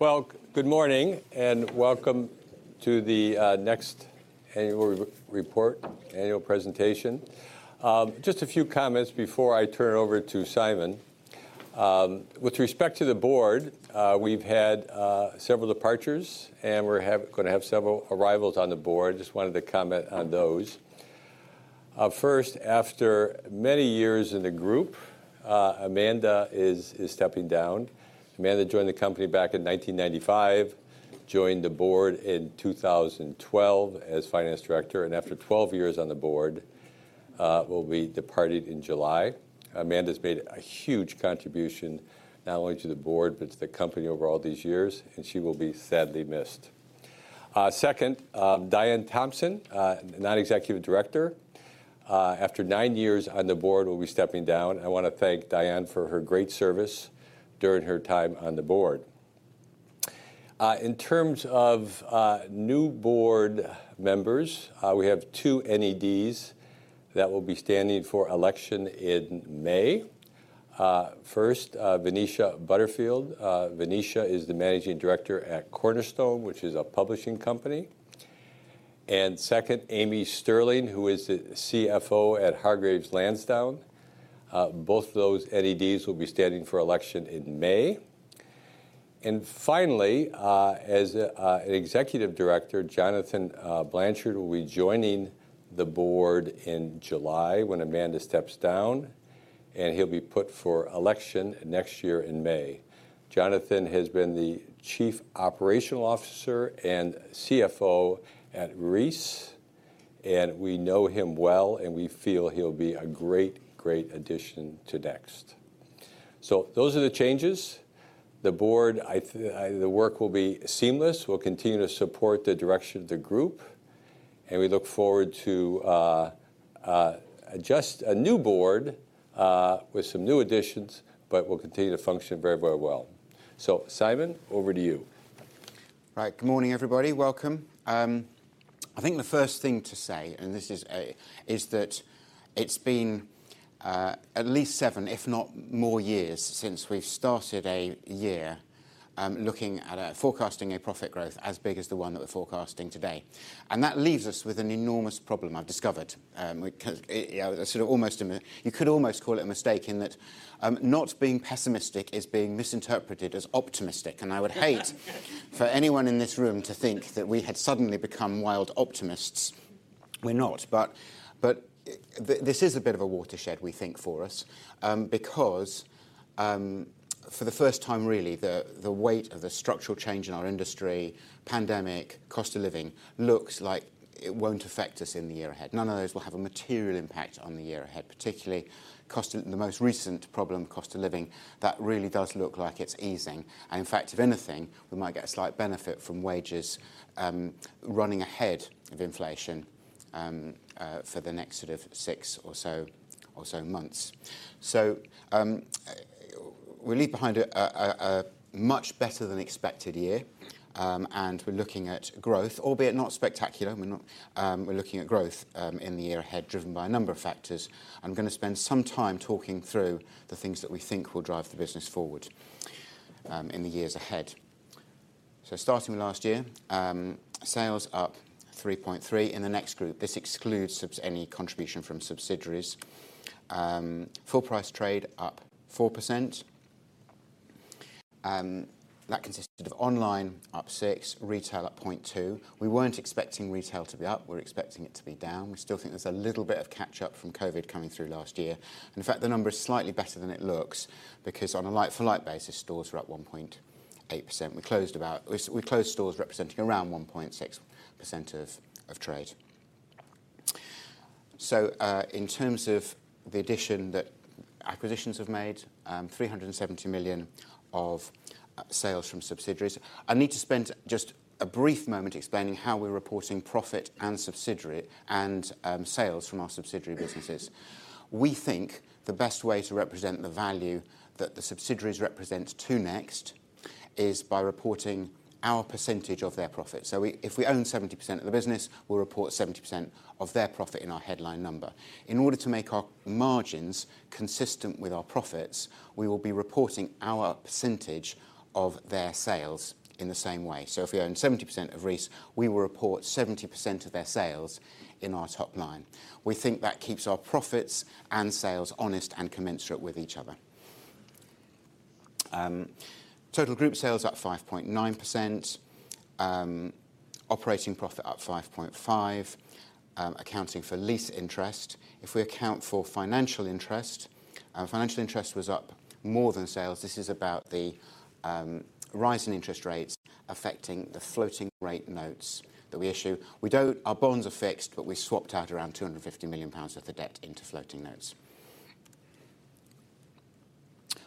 Well, good morning and welcome to the Next Annual Report annual presentation. Just a few comments before I turn it over to Simon. With respect to the board, we've had several departures and we're gonna have several arrivals on the board. I just wanted to comment on those. First, after many years in the group, Amanda is stepping down. Amanda joined the company back in 1995, joined the board in 2012 as finance director, and after 12 years on the board, will depart in July. Amanda's made a huge contribution not only to the board but to the company over all these years, and she will be sadly missed. Second, Dianne Thompson, non-executive director, after nine years on the board will be stepping down. I wanna thank Diane for her great service during her time on the board. In terms of new board members, we have two NEDs that will be standing for election in May. First, Venetia Butterfield. Venetia is the managing director at Cornerstone, which is a publishing company. And second, Amy Stirling, who is the CFO at Hargreaves Lansdown. Both of those NEDs will be standing for election in May. And finally, as an executive director, Jonathan Blanchard will be joining the board in July when Amanda steps down, and he'll be put for election next year in May. Jonathan has been the chief operational officer and CFO at Reiss, and we know him well, and we feel he'll be a great, great addition to Next. So those are the changes. The board, I think the work will be seamless. We'll continue to support the direction of the group, and we look forward to, just a new board, with some new additions, but we'll continue to function very, very well. So Simon, over to you. Right. Good morning, everybody. Welcome. I think the first thing to say, and this is that it's been at least 7, if not more years, since we've started a year looking at forecasting a profit growth as big as the one that we're forecasting today. And that leaves us with an enormous problem I've discovered. You know, sort of, you could almost call it a mistake in that not being pessimistic is being misinterpreted as optimistic. And I would hate for anyone in this room to think that we had suddenly become wild optimists. We're not. But this is a bit of a watershed, we think, for us, because for the first time, really, the weight of the structural change in our industry, pandemic, cost of living, looks like it won't affect us in the year ahead. None of those will have a material impact on the year ahead, particularly the cost of living, the most recent problem, that really does look like it's easing. In fact, if anything, we might get a slight benefit from wages, running ahead of inflation, for the next sort of six or so months. We'll leave behind a much better than expected year, and we're looking at growth, albeit not spectacular. We're looking at growth, in the year ahead, driven by a number of factors. I'm gonna spend some time talking through the things that we think will drive the business forward, in the years ahead. Starting with last year, sales up 3.3% in the Next group. This excludes any contribution from subsidiaries. Full-price trade up 4%. That consisted of online up 6%, retail up 0.2%. We weren't expecting retail to be up. We're expecting it to be down. We still think there's a little bit of catch-up from COVID coming through last year. And in fact, the number is slightly better than it looks because on a like-for-like basis, stores were up 1.8%. We closed stores representing around 1.6% of trade. So, in terms of the addition that acquisitions have made, 370 million of sales from subsidiaries. I need to spend just a brief moment explaining how we're reporting profit and subsidiary and sales from our subsidiary businesses. We think the best way to represent the value that the subsidiaries represent to Next is by reporting our percentage of their profit. So we if we own 70% of the business, we'll report 70% of their profit in our headline number. In order to make our margins consistent with our profits, we will be reporting our percentage of their sales in the same way. So if we own 70% of Reiss, we will report 70% of their sales in our top line. We think that keeps our profits and sales honest and commensurate with each other. Total group sales up 5.9%. Operating profit up 5.5%, accounting for lease interest. If we account for financial interest, financial interest was up more than sales. This is about the rise in interest rates affecting the floating-rate notes that we issue. We don't our bonds are fixed, but we swapped out around 250 million pounds of the debt into floating notes.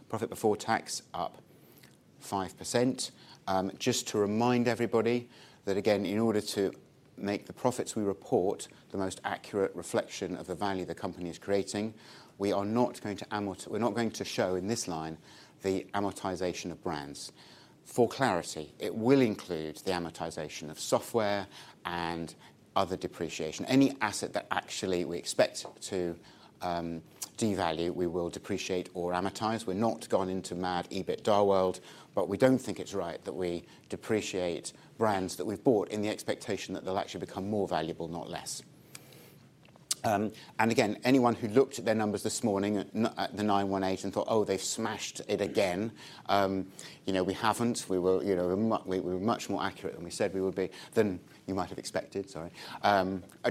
Profit before tax up 5%. Just to remind everybody that, again, in order to make the profits we report the most accurate reflection of the value the company is creating, we are not going to show in this line the amortization of brands. For clarity, it will include the amortization of software and other depreciation. Any asset that actually we expect to devalue, we will depreciate or amortize. We're not going into mad EBITDA world, but we don't think it's right that we depreciate brands that we've bought in the expectation that they'll actually become more valuable, not less. And again, anyone who looked at their numbers this morning, in the 918 and thought, "Oh, they've smashed it again," you know, we haven't. We were, you know, we were much more accurate than we said we would be than you might have expected. Sorry.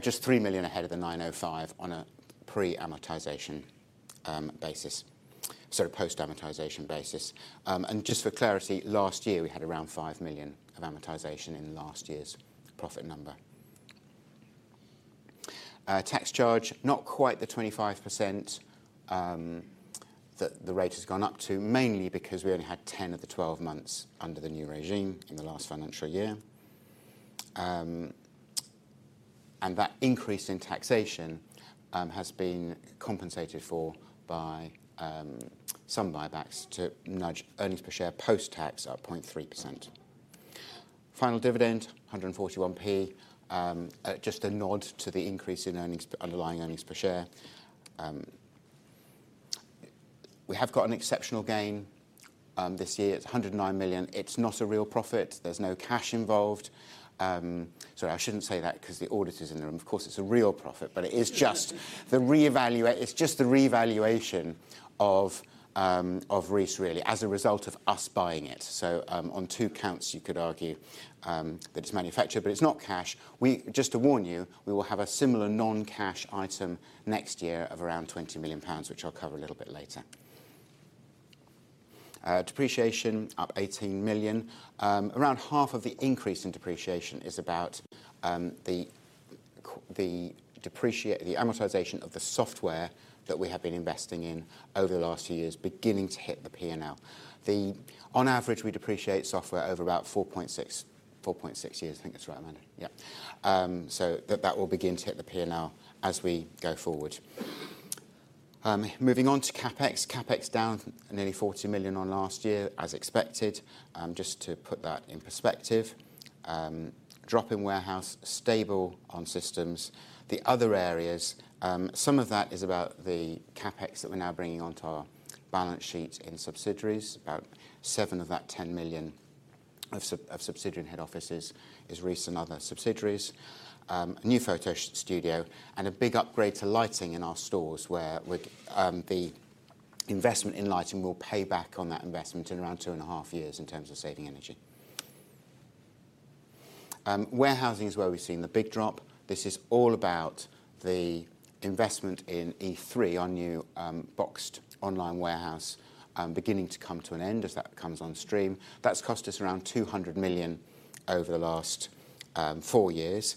3 million ahead of the 905 on a pre-amortization basis, sorry, post-amortization basis. Just for clarity, last year we had around 5 million of amortization in last year's profit number. Tax charge, not quite the 25% that the rate has gone up to, mainly because we only had 10 of the 12 months under the new regime in the last financial year. That increase in taxation has been compensated for by some buybacks to nudge earnings per share post-tax up 0.3%. Final dividend, 141p. Just a nod to the increase in underlying earnings per share. We have got an exceptional gain this year. It's 109 million. It's not a real profit. There's no cash involved. Sorry, I shouldn't say that 'cause the audit is in the room. Of course, it's a real profit, but it is just the reevaluation of, of Reiss, really, as a result of us buying it. So, on two counts, you could argue, that it's manufactured, but it's not cash. We just to warn you, we will have a similar non-cash item next year of around 20 million pounds, which I'll cover a little bit later. Depreciation up 18 million. Around half of the increase in depreciation is about, the amortization of the software that we have been investing in over the last few years beginning to hit the P&L. On average, we depreciate software over about 4.6 years. I think that's right, Amanda. Yeah. So that, that will begin to hit the P&L as we go forward. Moving on to CapEx. CapEx down nearly 40 million on last year, as expected, just to put that in perspective. Drop in warehouse, stable on systems. The other areas, some of that is about the CapEx that we're now bringing onto our balance sheet in subsidiaries. About seven of that 10 million of subsidiary and head offices is Reiss and other subsidiaries. New photo shoot studio, and a big upgrade to lighting in our stores where the investment in lighting will pay back on that investment in around two and a half years in terms of saving energy. Warehousing is where we've seen the big drop. This is all about the investment in E3, our new boxed online warehouse, beginning to come to an end as that comes on stream. That's cost us around 200 million over the last four years.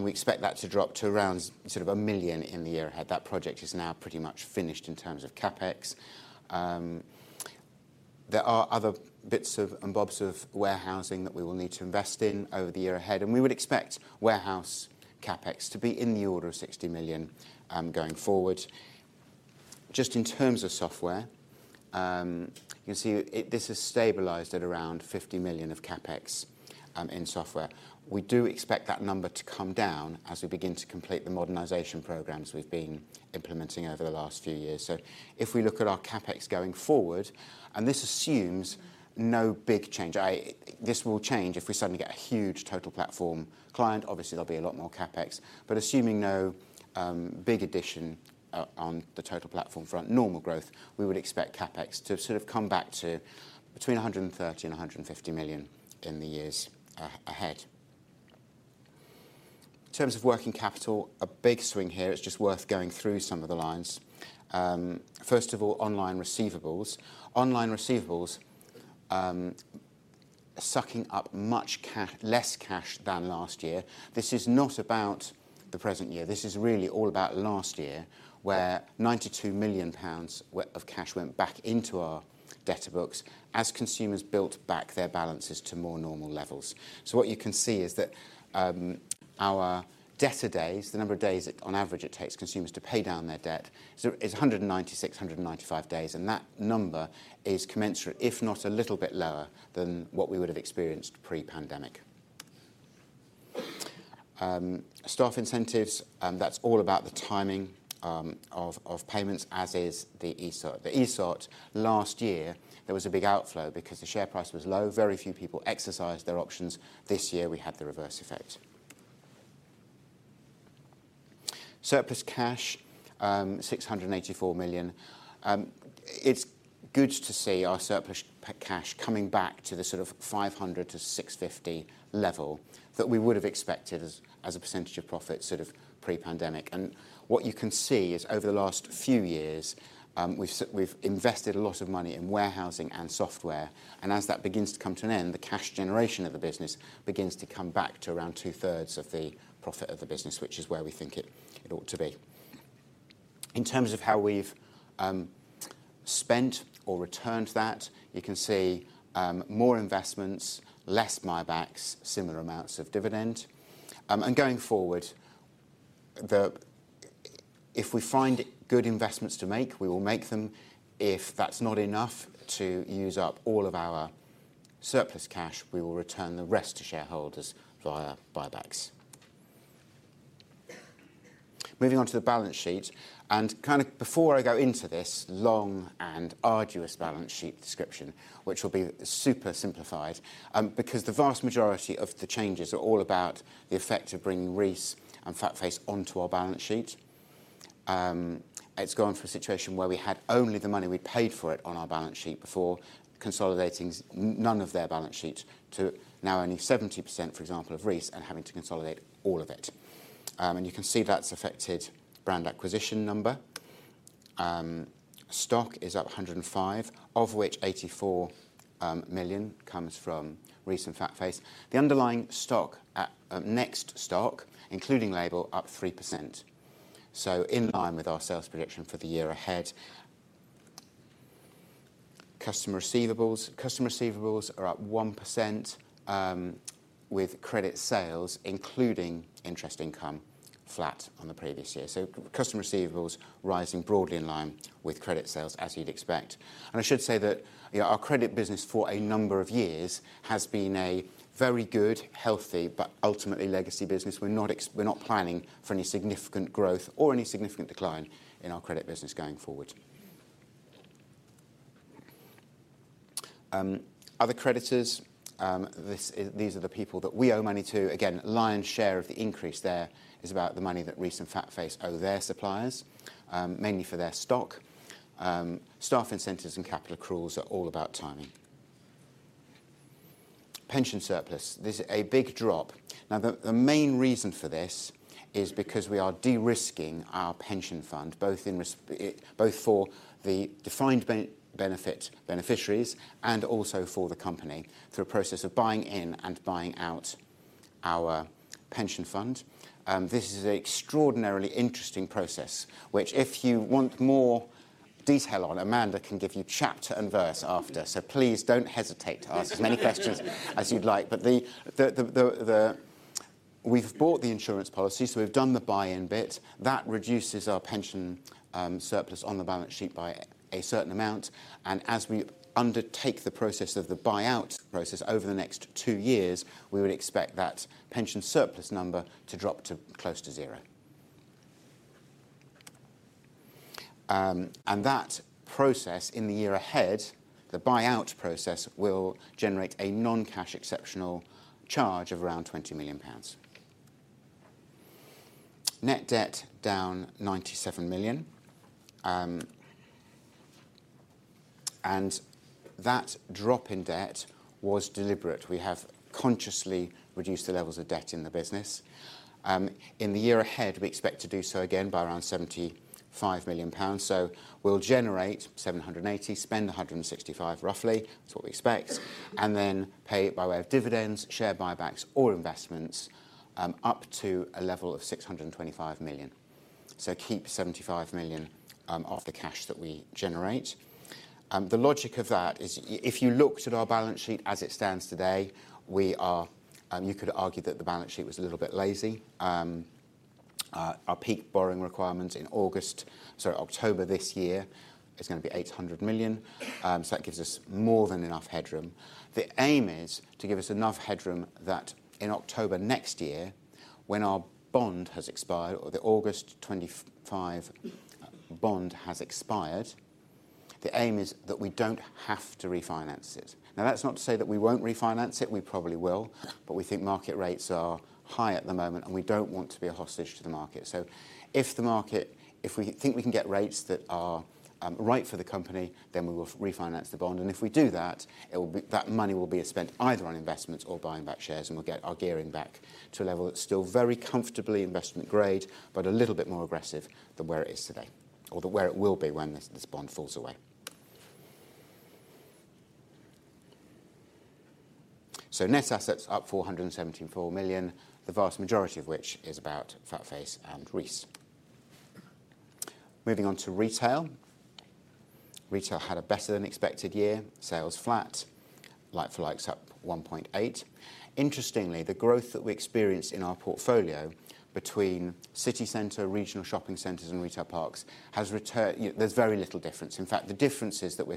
We expect that to drop to around sort of 1 million in the year ahead. That project is now pretty much finished in terms of CapEx. There are other bits and bobs of warehousing that we will need to invest in over the year ahead, and we would expect warehouse CapEx to be in the order of 60 million, going forward. Just in terms of software, you can see, this has stabilized at around 50 million of CapEx, in software. We do expect that number to come down as we begin to complete the modernization programs we've been implementing over the last few years. So if we look at our CapEx going forward, and this assumes no big change, this will change if we suddenly get a huge Total Platform client. Obviously, there'll be a lot more CapEx, but assuming no big addition on the Total Platform front, normal growth, we would expect CapEx to sort of come back to between 130 million and 150 million in the years ahead. In terms of working capital, a big swing here. It's just worth going through some of the lines. First of all, online receivables. Online receivables, sucking up much less cash than last year. This is not about the present year. This is really all about last year where 92 million pounds worth of cash went back into our debtor books as consumers built back their balances to more normal levels. So what you can see is that, our debtor days, the number of days it on average takes consumers to pay down their debt, is 196 days, 195 days, and that number is commensurate, if not a little bit lower, than what we would have experienced pre-pandemic. Staff incentives, that's all about the timing of payments as is the ESOT. The ESOT, last year, there was a big outflow because the share price was low. Very few people exercised their options. This year, we had the reverse effect. Surplus cash, 684 million. It's good to see our surplus cash coming back to the sort of 500 million-650 million level that we would have expected as a percentage of profit sort of pre-pandemic. What you can see is over the last few years, we've we've invested a lot of money in warehousing and software, and as that begins to come to an end, the cash generation of the business begins to come back to around two-thirds of the profit of the business, which is where we think it ought to be. In terms of how we've spent or returned that, you can see more investments, less buybacks, similar amounts of dividend. Going forward, if we find good investments to make, we will make them. If that's not enough to use up all of our surplus cash, we will return the rest to shareholders via buybacks. Moving on to the balance sheet. And kinda before I go into this long and arduous balance sheet description, which will be super simplified, because the vast majority of the changes are all about the effect of bringing Reiss and FatFace onto our balance sheet. It's gone from a situation where we had only the money we'd paid for it on our balance sheet before consolidating none of their balance sheet to now only 70%, for example, of Reiss and having to consolidate all of it. And you can see that's affected brand acquisition number. Stock is up 105 million, of which 84 million comes from Reiss and FatFace. The underlying stock at NEXT stock, including Label, up 3%. So in line with our sales prediction for the year ahead. Customer receivables are up 1%, with credit sales, including interest income, flat on the previous year. So customer receivables rising broadly in line with credit sales as you'd expect. And I should say that, you know, our credit business for a number of years has been a very good, healthy, but ultimately legacy business. We're not planning for any significant growth or any significant decline in our credit business going forward. Other creditors, these are the people that we owe money to. Again, lion's share of the increase there is about the money that Reiss and FatFace owe their suppliers, mainly for their stock. Staff incentives and capital accruals are all about timing. Pension surplus. This is a big drop. Now, the main reason for this is because we are de-risking our pension fund, both for the defined benefit beneficiaries and also for the company through a process of buying in and buying out our pension fund. This is an extraordinarily interesting process, which if you want more detail on, Amanda can give you chapter and verse after. So please don't hesitate to ask as many questions as you'd like. But we've bought the insurance policy, so we've done the buy-in bit. That reduces our pension surplus on the balance sheet by a certain amount. And as we undertake the process of the buyout process over the next two years, we would expect that pension surplus number to drop to close to zero. That process in the year ahead, the buyout process, will generate a non-cash exceptional charge of around 20 million pounds. Net debt down 97 million. And that drop in debt was deliberate. We have consciously reduced the levels of debt in the business. In the year ahead, we expect to do so again by around 75 million pounds. So we'll generate 780 million, spend 165 million roughly. That's what we expect. And then pay it by way of dividends, share buybacks, or investments, up to a level of 625 million. So keep 75 million off the cash that we generate. The logic of that is if you looked at our balance sheet as it stands today, we are, you could argue that the balance sheet was a little bit lazy. Our peak borrowing requirements in August, sorry, October this year is gonna be 800 million. So that gives us more than enough headroom. The aim is to give us enough headroom that in October next year, when our bond has expired or the August 2025 bond has expired, the aim is that we don't have to refinance it. Now, that's not to say that we won't refinance it. We probably will, but we think market rates are high at the moment, and we don't want to be a hostage to the market. So if the market if we think we can get rates that are right for the company, then we will refinance the bond. And if we do that, it will be that money will be spent either on investments or buying back shares, and we'll get our gearing back to a level that's still very comfortably investment-grade but a little bit more aggressive than where it is today or the where it will be when this bond falls away. Net assets up 474 million, the vast majority of which is about FatFace and Reiss. Moving on to retail. Retail had a better-than-expected year. Sales flat. Like-for-likes up 1.8%. Interestingly, the growth that we experienced in our portfolio between city center, regional shopping centers, and retail parks has rather you know, there's very little difference. In fact, the differences that we're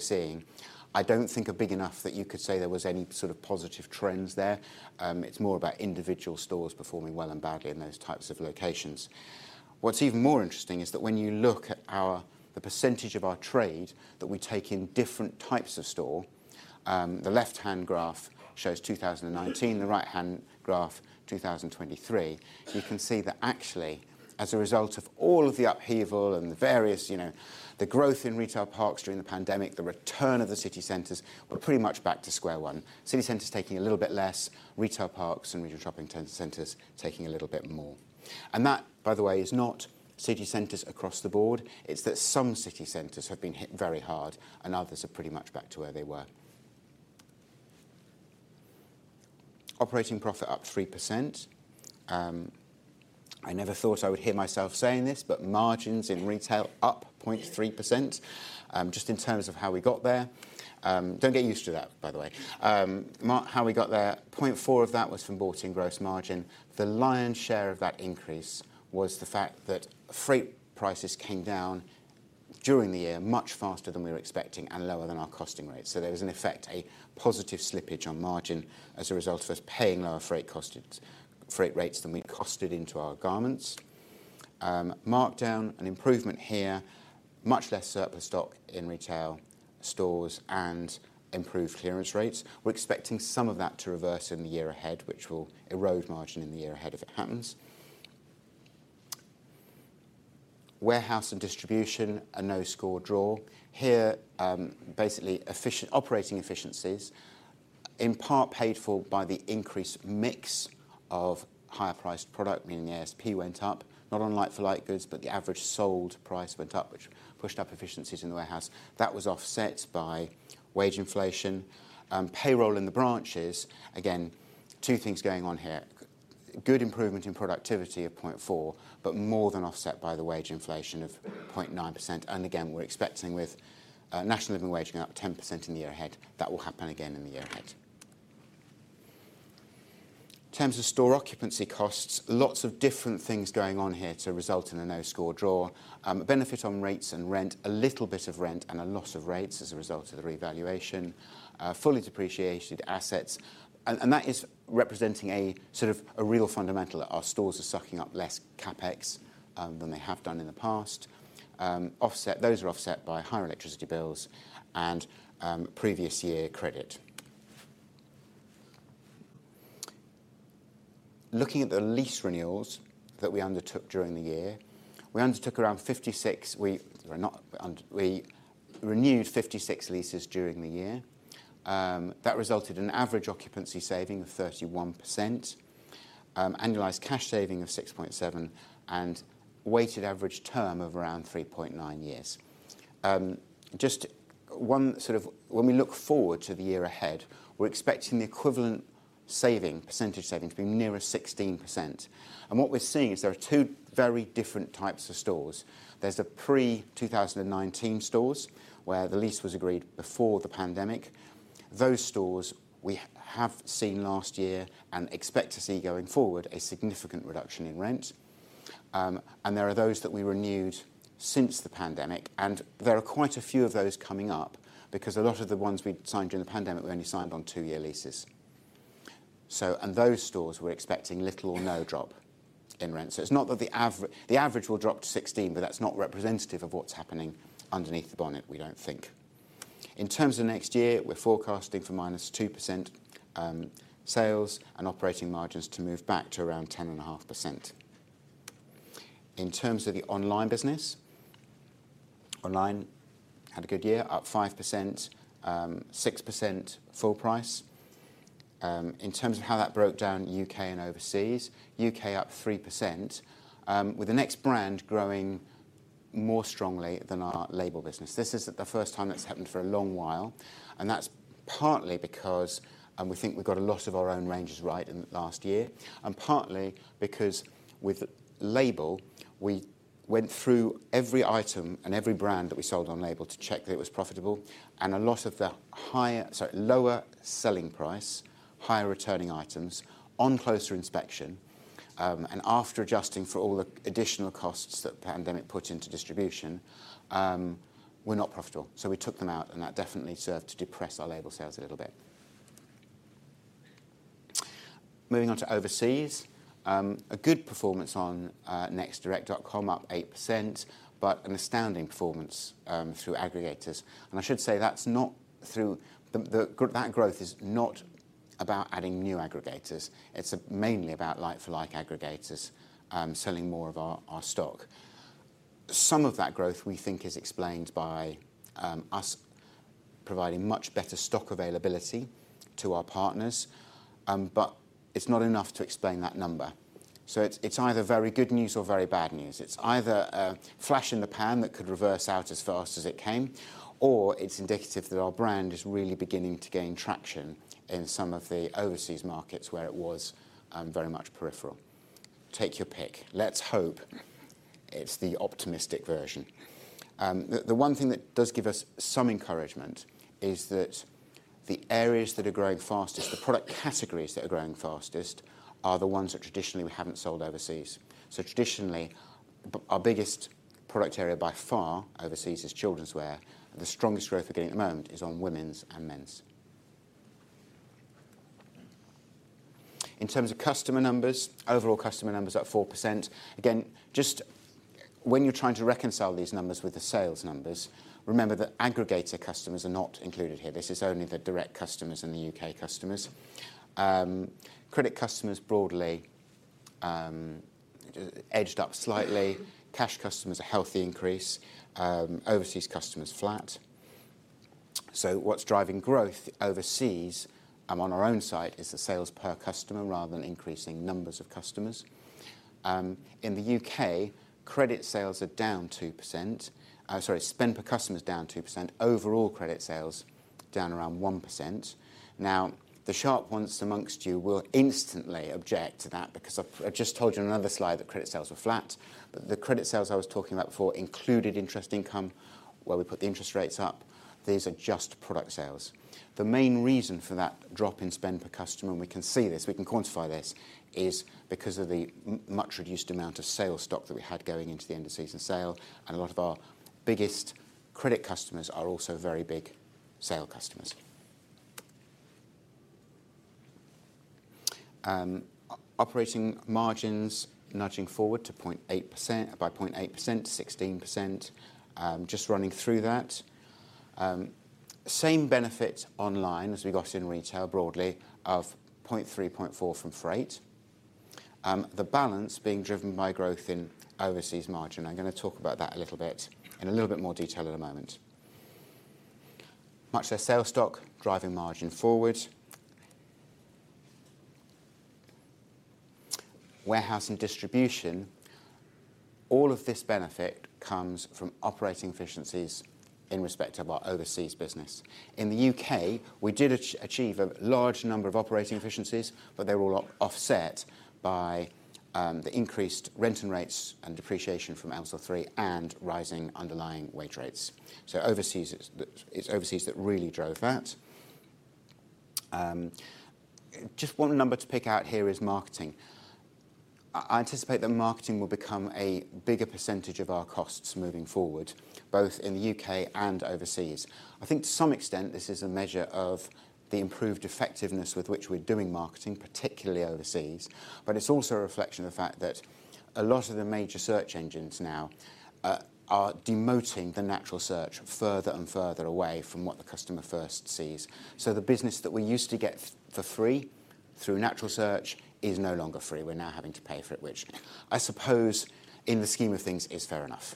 seeing, I don't think are big enough that you could say there was any sort of positive trends there. It's more about individual stores performing well and badly in those types of locations. What's even more interesting is that when you look at the percentage of our trade that we take in different types of store, the left-hand graph shows 2019, the right-hand graph, 2023, you can see that actually, as a result of all of the upheaval and the various, you know, the growth in retail parks during the pandemic, the return of the city centers, we're pretty much back to square one. City centers taking a little bit less, retail parks and regional shopping centers taking a little bit more. And that, by the way, is not city centers across the board. It's that some city centers have been hit very hard, and others are pretty much back to where they were. Operating profit up 3%. I never thought I would hear myself saying this, but margins in retail up 0.3%, just in terms of how we got there. Don't get used to that, by the way. Now how we got there, 0.4 of that was from bought-in gross margin. The lion's share of that increase was the fact that freight prices came down during the year much faster than we were expecting and lower than our costing rates. So there was, in effect, a positive slippage on margin as a result of us paying lower freight costed freight rates than we costed into our garments. Markdown, an improvement here, much less surplus stock in retail stores and improved clearance rates. We're expecting some of that to reverse in the year ahead, which will erode margin in the year ahead if it happens. Warehouse and distribution, a no-score draw. Here, basically, efficient operating efficiencies in part paid for by the increased mix of higher-priced product, meaning the ASP went up, not on like for like goods, but the average sold price went up, which pushed up efficiencies in the warehouse. That was offset by wage inflation. Payroll in the branches, again, two things going on here. Good improvement in productivity of 0.4 but more than offset by the wage inflation of 0.9%. And again, we're expecting with National Living Wage going up 10% in the year ahead, that will happen again in the year ahead. In terms of store occupancy costs, lots of different things going on here to result in a no-score draw. Benefit on rates and rent, a little bit of rent, and a loss of rates as a result of the revaluation. Fully depreciated assets. That is representing a sort of a real fundamental that our stores are sucking up less CapEx than they have done in the past. Those are offset by higher electricity bills and previous year credit. Looking at the lease renewals that we undertook during the year, we renewed 56 leases during the year. That resulted in an average occupancy saving of 31%, annualized cash saving of 6.7, and weighted average term of around 3.9 years. Just one sort of when we look forward to the year ahead, we're expecting the equivalent saving, percentage saving, to be nearer 16%. What we're seeing is there are two very different types of stores. There's the pre-2019 stores where the lease was agreed before the pandemic. Those stores, we have seen last year and expect to see going forward a significant reduction in rent. There are those that we renewed since the pandemic, and there are quite a few of those coming up because a lot of the ones we'd signed during the pandemic, we only signed on two-year leases. So those stores, we're expecting little or no drop in rent. So it's not that the average will drop to 16, but that's not representative of what's happening underneath the bonnet, we don't think. In terms of next year, we're forecasting for -2% sales and operating margins to move back to around 10.5%. In terms of the online business, online had a good year, up 5%, 6% full price. In terms of how that broke down UK and overseas, UK up 3%, with the Next brand growing more strongly than our label business. This is the first time that's happened for a long while, and that's partly because, we think we got a lot of our own ranges right in last year and partly because with label, we went through every item and every brand that we sold on label to check that it was profitable. And a lot of the higher sorry, lower selling price, higher returning items on closer inspection, and after adjusting for all the additional costs that the pandemic put into distribution, were not profitable. So we took them out, and that definitely served to depress our label sales a little bit. Moving on to overseas, a good performance on nextdirect.com, up 8% but an astounding performance through aggregators. I should say that's not through the growth is not about adding new aggregators. It's mainly about like-for-like aggregators, selling more of our stock. Some of that growth, we think, is explained by us providing much better stock availability to our partners, but it's not enough to explain that number. So it's either very good news or very bad news. It's either a flash in the pan that could reverse out as fast as it came, or it's indicative that our brand is really beginning to gain traction in some of the overseas markets where it was very much peripheral. Take your pick. Let's hope it's the optimistic version. The one thing that does give us some encouragement is that the areas that are growing fastest, the product categories that are growing fastest, are the ones that traditionally we haven't sold overseas. So traditionally, our biggest product area by far overseas is children's wear. The strongest growth we're getting at the moment is on women's and men's. In terms of customer numbers, overall customer numbers up 4%. Again, just when you're trying to reconcile these numbers with the sales numbers, remember that aggregator customers are not included here. This is only the direct customers and the UK customers. Credit customers broadly just edged up slightly. Cash customers, a healthy increase. Overseas customers, flat. So what's driving growth overseas, on our own side is the sales per customer rather than increasing numbers of customers. In the UK, credit sales are down 2%. Sorry, spend per customer's down 2%. Overall credit sales down around 1%. Now, the sharp ones among you will instantly object to that because I've just told you on another slide that credit sales were flat. But the credit sales I was talking about before included interest income where we put the interest rates up, these are just product sales. The main reason for that drop in spend per customer and we can see this, we can quantify this, is because of the much reduced amount of sale stock that we had going into the end-of-season sale. And a lot of our biggest credit customers are also very big sale customers. Operating margins nudging forward to 0.8% by 0.8%, 16%. Just running through that. Same benefits online as we got in retail broadly of 0.3%, 0.4% from freight. The balance being driven by growth in overseas margin. I'm gonna talk about that a little bit in a little bit more detail in a moment. Much less sale stock driving margin forward. Warehouse and distribution, all of this benefit comes from operating efficiencies in respect of our overseas business. In the UK, we did achieve a large number of operating efficiencies, but they were all offset by the increased rent and rates and depreciation from Elmsall 3 and rising underlying wage rates. So it's overseas that really drove that. Just one number to pick out here is marketing. I anticipate that marketing will become a bigger percentage of our costs moving forward, both in the UK and overseas. I think to some extent, this is a measure of the improved effectiveness with which we're doing marketing, particularly overseas. But it's also a reflection of the fact that a lot of the major search engines now are demoting the natural search further and further away from what the customer first sees. So the business that we used to get for free through natural search is no longer free. We're now having to pay for it, which I suppose in the scheme of things is fair enough.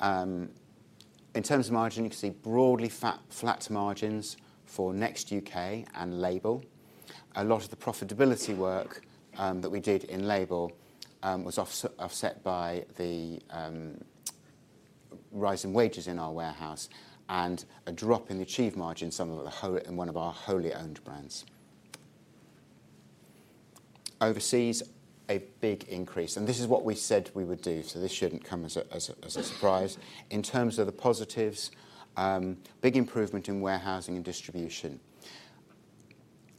In terms of margin, you can see broadly flat margins for NEXT UK and Label. A lot of the profitability work that we did in Label was offset by the rise in wages in our warehouse and a drop in the achieved margin in one of our wholly owned brands. Overseas, a big increase. And this is what we said we would do, so this shouldn't come as a surprise. In terms of the positives, big improvement in warehousing and distribution.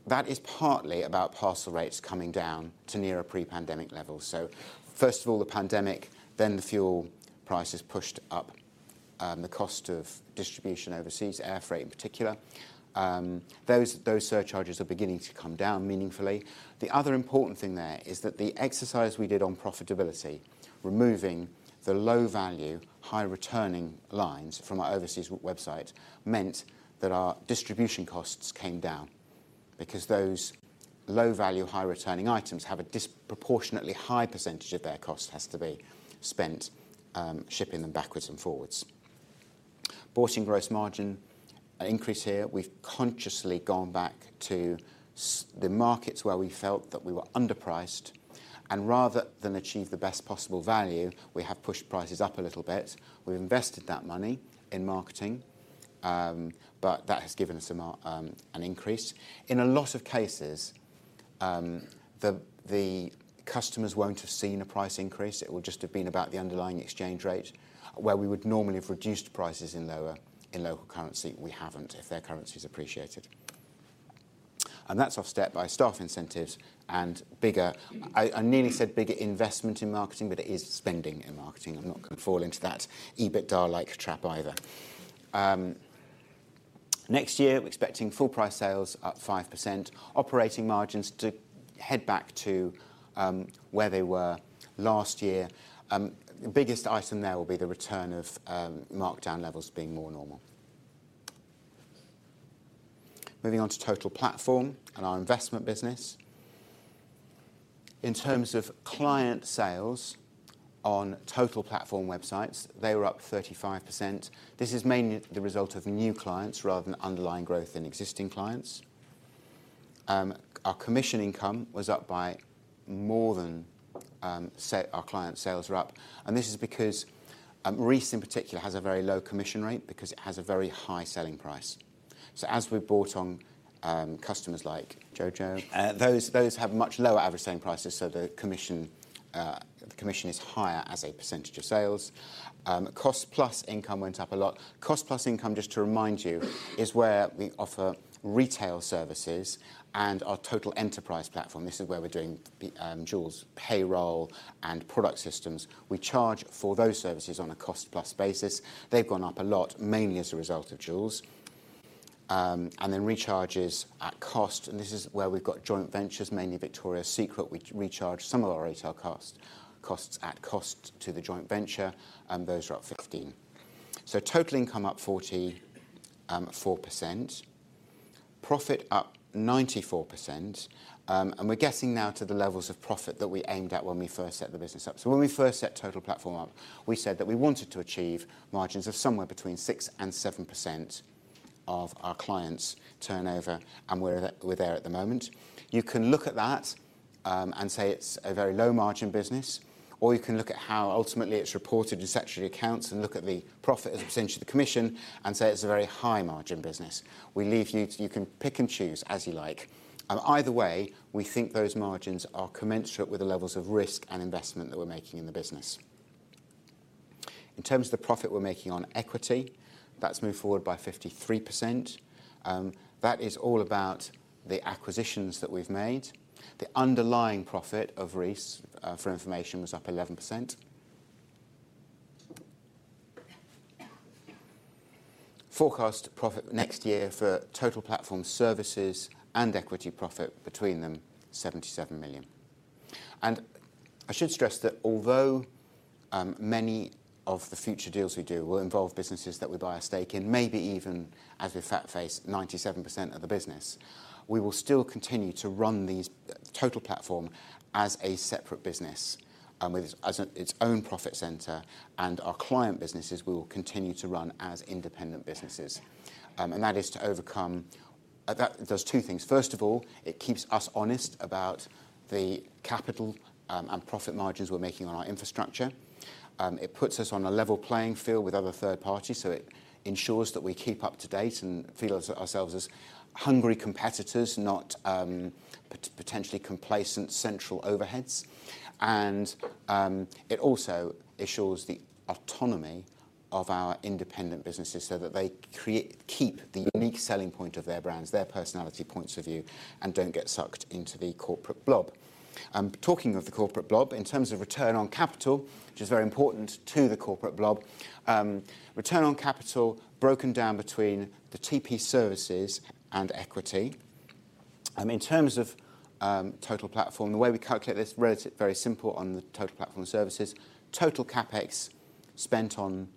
That is partly about parcel rates coming down to nearer pre-pandemic levels. So first of all, the pandemic, then the fuel prices pushed up, the cost of distribution overseas, air freight in particular. Those, those surcharges are beginning to come down meaningfully. The other important thing there is that the exercise we did on profitability, removing the low-value, high-returning lines from our overseas website, meant that our distribution costs came down because those low-value, high-returning items have a disproportionately high percentage of their cost has to be spent, shipping them backwards and forwards. Bought-in gross margin, an increase here. We've consciously gone back to the markets where we felt that we were underpriced. And rather than achieve the best possible value, we have pushed prices up a little bit. We've invested that money in marketing, but that has given us a margin increase. In a lot of cases, the customers won't have seen a price increase. It will just have been about the underlying exchange rate where we would normally have reduced prices lower in local currency. We haven't if their currencies appreciated. And that's offset by staff incentives and bigger I nearly said bigger investment in marketing, but it is spending in marketing. I'm not gonna fall into that EBITDA-like trap either. Next year, we're expecting full-price sales up 5%, operating margins to head back to where they were last year. The biggest item there will be the return of markdown levels being more normal. Moving on to Total Platform and our investment business. In terms of client sales on Total Platform websites, they were up 35%. This is mainly the result of new clients rather than underlying growth in existing clients. Our commission income was up by more than, say our client sales were up. This is because, Reiss in particular has a very low commission rate because it has a very high selling price. So as we brought on customers like Joules, those have much lower average selling prices, so the commission is higher as a percentage of sales. Cost-plus income went up a lot. Cost-plus income, just to remind you, is where we offer retail services and our Total Platform. This is where we're doing the Joules payroll and product systems. We charge for those services on a cost-plus basis. They've gone up a lot mainly as a result of Joules. And then recharges at cost. This is where we've got joint ventures, mainly Victoria's Secret. We recharge some of our retail cost, costs at cost to the joint venture. Those are up 15%. So total income up 40.4%. Profit up 94%. And we're getting now to the levels of profit that we aimed at when we first set the business up. So when we first set Total Platform up, we said that we wanted to achieve margins of somewhere between 6%-7% of our clients' turnover and we're there at the moment. You can look at that, and say it's a very low-margin business, or you can look at how ultimately it's reported in statutory accounts and look at the profit as a percentage of the commission and say it's a very high-margin business. We leave you to you can pick and choose as you like. Either way, we think those margins are commensurate with the levels of risk and investment that we're making in the business. In terms of the profit we're making on equity, that's moved forward by 53%. That is all about the acquisitions that we've made. The underlying profit of Reiss, for information, was up 11%. Forecast profit next year for Total Platform services and equity profit between them, 77 million. And I should stress that although many of the future deals we do will involve businesses that we buy a stake in, maybe even as we FatFace, 97% of the business, we will still continue to run these Total Platform as a separate business, with its as a its own profit center. And our client businesses, we will continue to run as independent businesses. And that is to overcome that does two things. First of all, it keeps us honest about the capital, and profit margins we're making on our infrastructure. It puts us on a level playing field with other third parties, so it ensures that we keep up to date and feel as ourselves as hungry competitors, not, potentially complacent central overheads. It also assures the autonomy of our independent businesses so that they create keep the unique selling point of their brands, their personality points of view, and don't get sucked into the corporate blob. Talking of the corporate blob, in terms of return on capital, which is very important to the corporate blob, return on capital broken down between the TP services and equity. In terms of Total Platform, the way we calculate this relative very simple on the Total Platform services, total CapEx spent on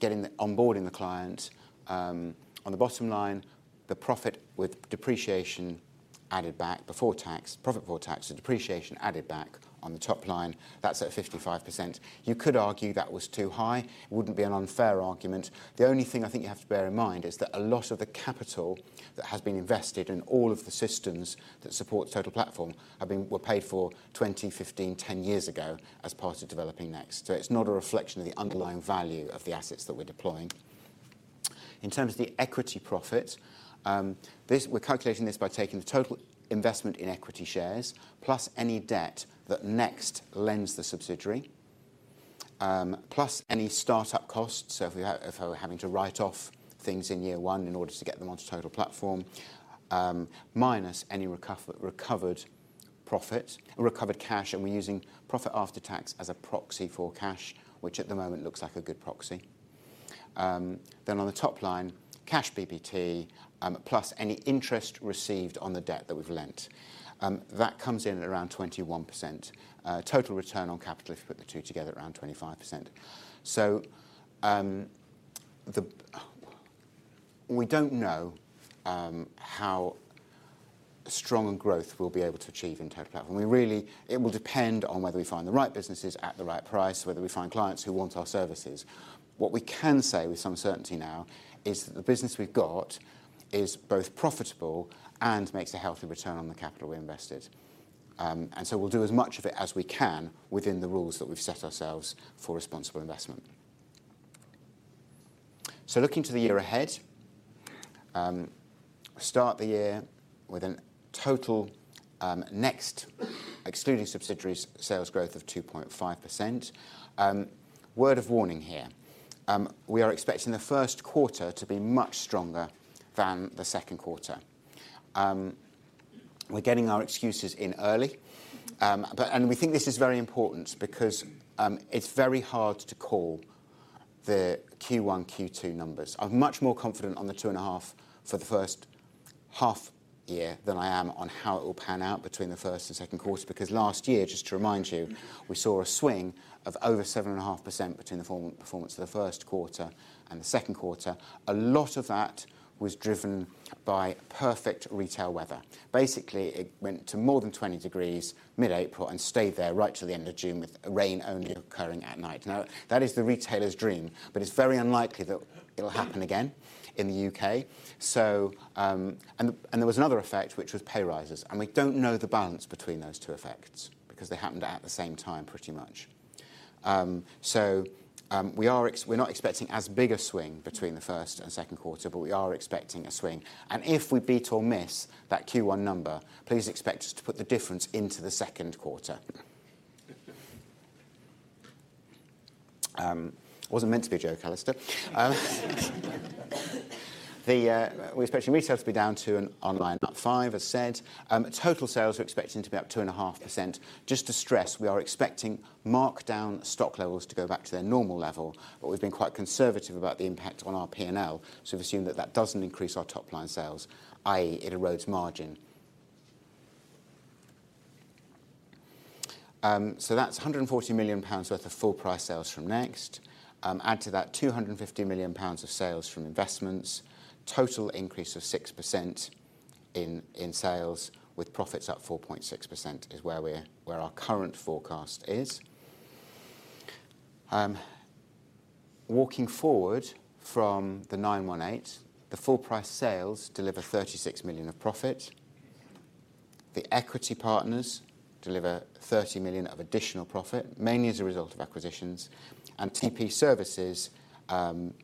getting the onboarding the client, on the bottom line, the profit with depreciation added back before tax profit before tax, the depreciation added back on the top line. That's at 55%. You could argue that was too high. It wouldn't be an unfair argument. The only thing I think you have to bear in mind is that a lot of the capital that has been invested in all of the systems that support Total Platform were paid for 20 years, 15 years, 10 years ago as part of developing Next. So it's not a reflection of the underlying value of the assets that we're deploying. In terms of the equity profit, this we're calculating this by taking the total investment in equity shares plus any debt that Next lends the subsidiary, plus any startup costs, so if we're having to write off things in year one in order to get them onto Total Platform, minus any recovered profit recovered cash. And we're using profit after tax as a proxy for cash, which at the moment looks like a good proxy. Then on the top line, cash EBIT, plus any interest received on the debt that we've lent. That comes in at around 21%. Total return on capital, if you put the two together, around 25%. So, we don't know how strong a growth we'll be able to achieve in Total Platform. We really, it will depend on whether we find the right businesses at the right price, whether we find clients who want our services. What we can say with some certainty now is that the business we've got is both profitable and makes a healthy return on the capital we invested. So we'll do as much of it as we can within the rules that we've set ourselves for responsible investment. So looking to the year ahead, start the year with total Next excluding subsidiaries sales growth of 2.5%. Word of warning here. We are expecting the first quarter to be much stronger than the second quarter. We're getting our excuses in early. But and we think this is very important because it's very hard to call the Q1, Q2 numbers. I'm much more confident on the 2.5% for the first half year than I am on how it will pan out between the first and second quarter because last year, just to remind you, we saw a swing of over 7.5% between the performance of the first quarter and the second quarter. A lot of that was driven by perfect retail weather. Basically, it went to more than 20 degrees mid-April and stayed there right till the end of June with rain only occurring at night. Now, that is the retailer's dream, but it's very unlikely that it'll happen again in the UK. So, there was another effect, which was pay raises. And we don't know the balance between those two effects because they happened at the same time pretty much. So, we're not expecting as big a swing between the first and second quarter, but we are expecting a swing. If we beat or miss that Q1 number, please expect us to put the difference into the second quarter. It wasn't meant to be a joke, Alistair. We're expecting retail to be down 2% and online up 5%, as said. Total sales we're expecting to be up 2.5%. Just to stress, we are expecting markdown stock levels to go back to their normal level, but we've been quite conservative about the impact on our P&L. We've assumed that that doesn't increase our top-line sales, i.e., it erodes margin. So that's 140 million pounds worth of full-price sales from Next. Add to that 250 million pounds of sales from investments. Total increase of 6% in sales with profits up 4.6% is where we are with our current forecast. Looking forward from the 918, the full-price sales deliver 36 million of profit. The equity partners deliver 30 million of additional profit, mainly as a result of acquisitions. And TP services,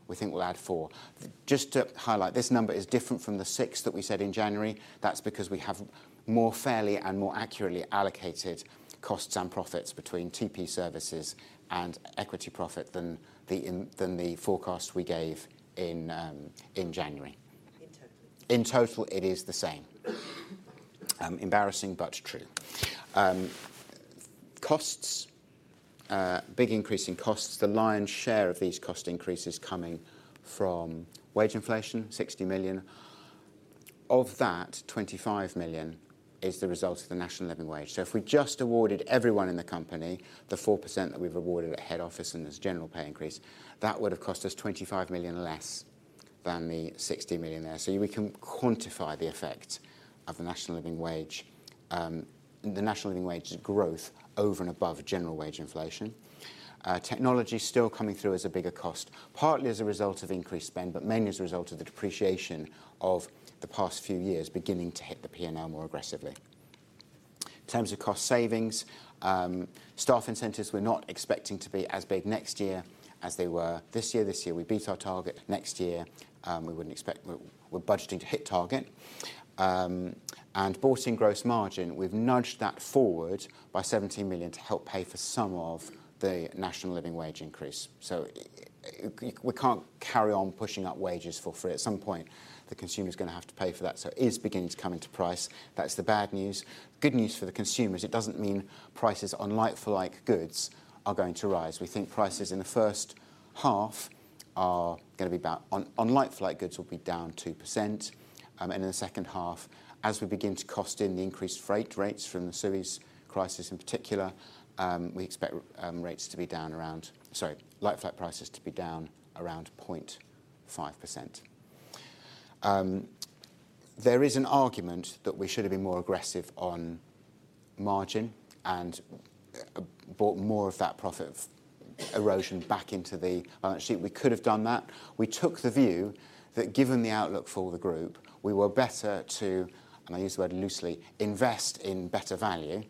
we think, will add 4 million. Just to highlight, this number is different from the 6 million that we said in January. That's because we have more fairly and more accurately allocated costs and profits between TP services and equity profit than the forecast we gave in January. In total. In total, it is the same. Embarrassing but true. Costs, big increase in costs. The lion's share of these cost increases coming from wage inflation, 60 million. Of that, 25 million is the result of the national living wage. So if we just awarded everyone in the company the 4% that we've awarded at head office and as general pay increase, that would have cost us 25 million less than the 60 million there. So we can quantify the effect of the national living wage, the national living wage growth over and above general wage inflation. Technology still coming through as a bigger cost, partly as a result of increased spend, but mainly as a result of the depreciation of the past few years beginning to hit the P&L more aggressively. In terms of cost savings, staff incentives, we're not expecting to be as big next year as they were this year. This year, we beat our target. Next year, we wouldn't expect we're budgeting to hit target. Bought-in gross margin, we've nudged that forward by 17 million to help pay for some of the national living wage increase. So we can't carry on pushing up wages for free. At some point, the consumer's gonna have to pay for that. So it is beginning to come into price. That's the bad news. Good news for the consumer is it doesn't mean prices on like-for-like goods are going to rise. We think prices in the first half are gonna be about on like-for-like goods will be down 2%. And in the second half, as we begin to cost in the increased freight rates from the Suez crisis in particular, we expect rates to be down around, sorry, like-for-like prices to be down around 0.5%. There is an argument that we should have been more aggressive on margin and bought more of that profit erosion back into the balance sheet. We could have done that. We took the view that given the outlook for the group, we were better to, and I use the word loosely, invest in better value,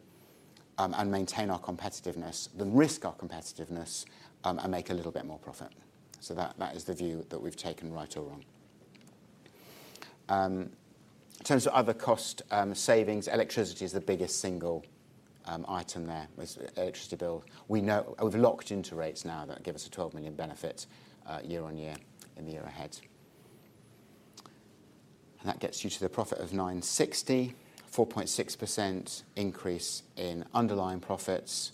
and maintain our competitiveness than risk our competitiveness, and make a little bit more profit. So that, that is the view that we've taken right or wrong. In terms of other cost savings, electricity is the biggest single item there, the electricity bill. We know we've locked into rates now that give us a 12 million benefit, year-on-year in the year ahead. And that gets you to the profit of 960 million, 4.6% increase in underlying profits,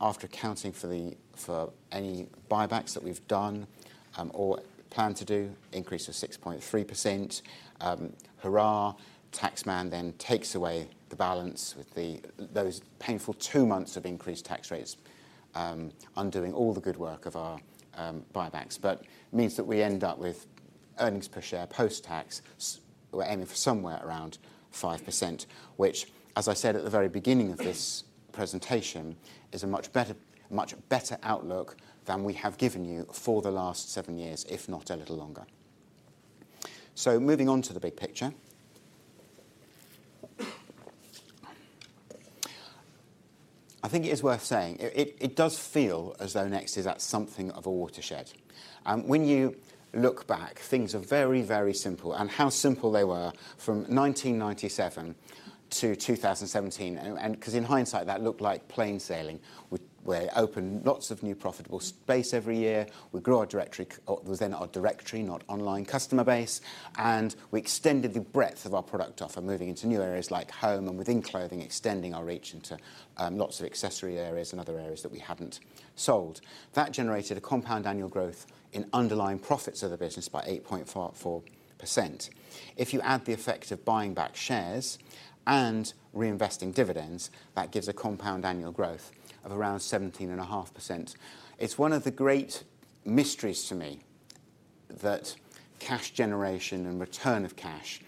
after accounting for the for any buybacks that we've done, or plan to do, increase of 6.3%. Hurrah. Taxman then takes away the balance with those painful two months of increased tax rates, undoing all the good work of our buybacks. But it means that we end up with earnings per share post-tax as we're aiming for somewhere around 5%, which, as I said at the very beginning of this presentation, is a much better much better outlook than we have given you for the last seven years, if not a little longer. So moving on to the big picture, I think it is worth saying. It does feel as though Next is at something of a watershed. When you look back, things are very, very simple. How simple they were from 1997 to 2017 and, and 'cause in hindsight, that looked like plain sailing. We'd opened lots of new profitable space every year. We grew our directory. Oh, it was then our directory, not online customer base. We extended the breadth of our product offer, moving into new areas like home and within clothing, extending our reach into lots of accessory areas and other areas that we hadn't sold. That generated a compound annual growth in underlying profits of the business by 8.44%. If you add the effect of buying back shares and reinvesting dividends, that gives a compound annual growth of around 17.5%. It's one of the great mysteries to me that cash generation and return of cash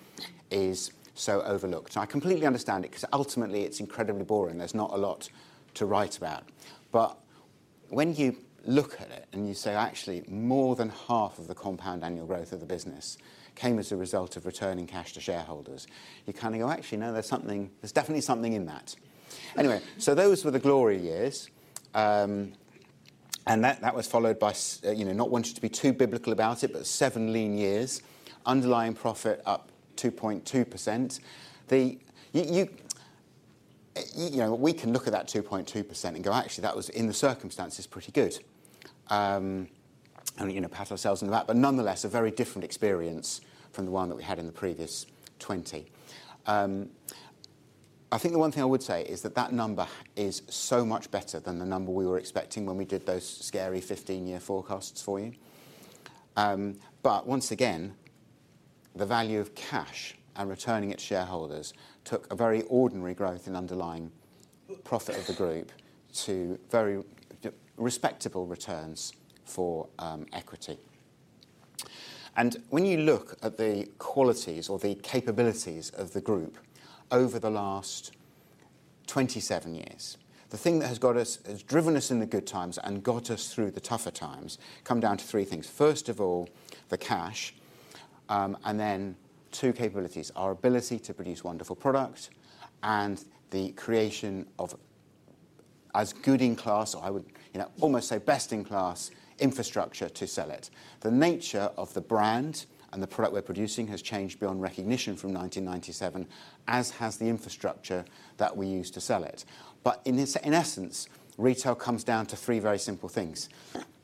is so overlooked. I completely understand it 'cause ultimately, it's incredibly boring. There's not a lot to write about. But when you look at it and you say, "Actually, more than half of the compound annual growth of the business came as a result of returning cash to shareholders," you kinda go, "Actually, no. There's something there's definitely something in that." Anyway, so those were the glory years. And that, that was followed by, so you know, not wanting to be too biblical about it, but seven lean years, underlying profit up 2.2%. You know, we can look at that 2.2% and go, "Actually, that was in the circumstances pretty good." And, you know, pat ourselves on the back. But nonetheless, a very different experience from the one that we had in the previous 20. I think the one thing I would say is that that number is so much better than the number we were expecting when we did those scary 15-year forecasts for you. But once again, the value of cash and returning it to shareholders took a very ordinary growth in underlying profit of the group to very respectable returns for equity. And when you look at the qualities or the capabilities of the group over the last 27 years, the thing that has got us has driven us in the good times and got us through the tougher times come down to three things. First of all, the cash. and then two capabilities, our ability to produce wonderful product and the creation of a good-in-class or I would, you know, almost say best-in-class infrastructure to sell it. The nature of the brand and the product we're producing has changed beyond recognition from 1997, as has the infrastructure that we use to sell it. But in essence, retail comes down to three very simple things: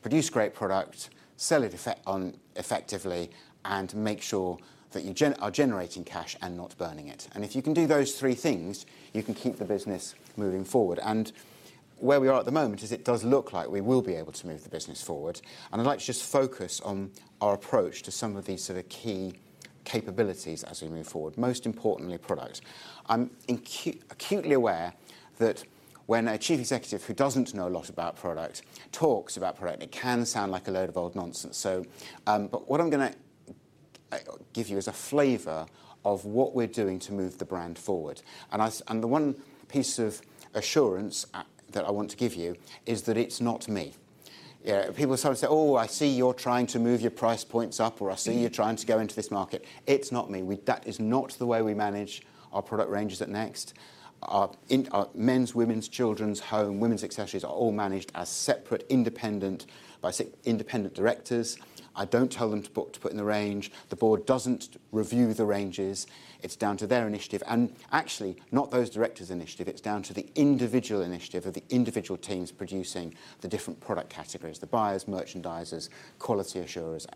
produce great product, sell it effectively, and make sure that you are generating cash and not burning it. And if you can do those three things, you can keep the business moving forward. And where we are at the moment is it does look like we will be able to move the business forward. And I'd like to just focus on our approach to some of these sort of key capabilities as we move forward, most importantly, product. I'm acutely aware that when a chief executive who doesn't know a lot about product talks about product, it can sound like a load of old nonsense. But what I'm gonna give you is a flavor of what we're doing to move the brand forward. And the one piece of assurance that I want to give you is that it's not me. You know, people start to say, "Oh, I see you're trying to move your price points up," or, "I see you're trying to go into this market." It's not me. That is not the way we manage our product ranges at Next. In our men's, women's, children's, home, women's accessories are all managed as separate, independent businesses by independent directors. I don't tell them what to put in the range. The board doesn't review the ranges. It's down to their initiative. Actually, not those directors' initiative. It's down to the individual initiative of the individual teams producing the different product categories, the buyers, merchandisers, quality assurers,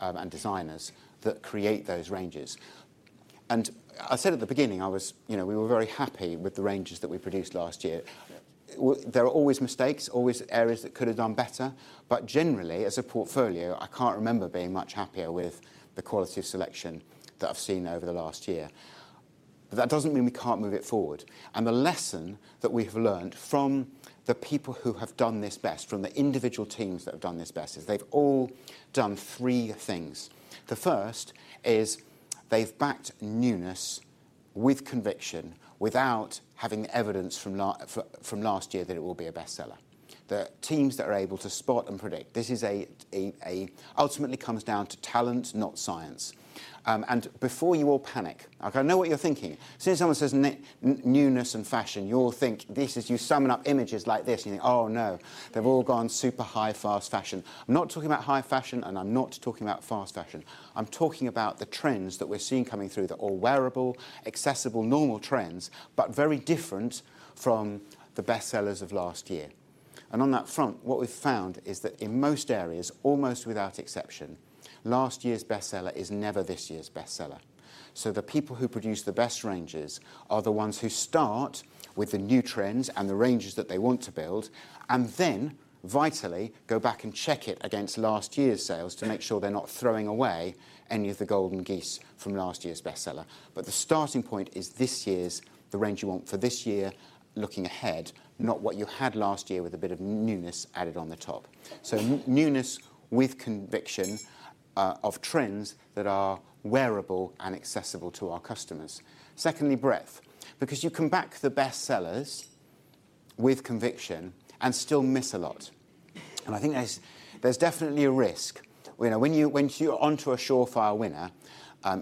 and designers that create those ranges. I said at the beginning, I was you know, we were very happy with the ranges that we produced last year. Well, there are always mistakes, always areas that could have done better. Generally, as a portfolio, I can't remember being much happier with the quality of selection that I've seen over the last year. That doesn't mean we can't move it forward. The lesson that we have learned from the people who have done this best, from the individual teams that have done this best, is they've all done three things. The first is they've backed newness with conviction without having the evidence from last year that it will be a bestseller. The teams that are able to spot and predict, this ultimately comes down to talent, not science. And before you all panic like, I know what you're thinking. As soon as someone says newness and fashion, you'll think this is you summon up images like this, and you think, "Oh, no. They've all gone super high, fast fashion." I'm not talking about high fashion, and I'm not talking about fast fashion. I'm talking about the trends that we're seeing coming through that are wearable, accessible, normal trends, but very different from the bestsellers of last year. And on that front, what we've found is that in most areas, almost without exception, last year's bestseller is never this year's bestseller. So the people who produce the best ranges are the ones who start with the new trends and the ranges that they want to build and then vitally go back and check it against last year's sales to make sure they're not throwing away any of the golden geese from last year's bestseller. But the starting point is this year's the range you want for this year looking ahead, not what you had last year with a bit of newness added on the top. So newness with conviction, of trends that are wearable and accessible to our customers. Secondly, breadth because you can back the bestsellers with conviction and still miss a lot. And I think there's definitely a risk. You know, when you're onto a surefire winner,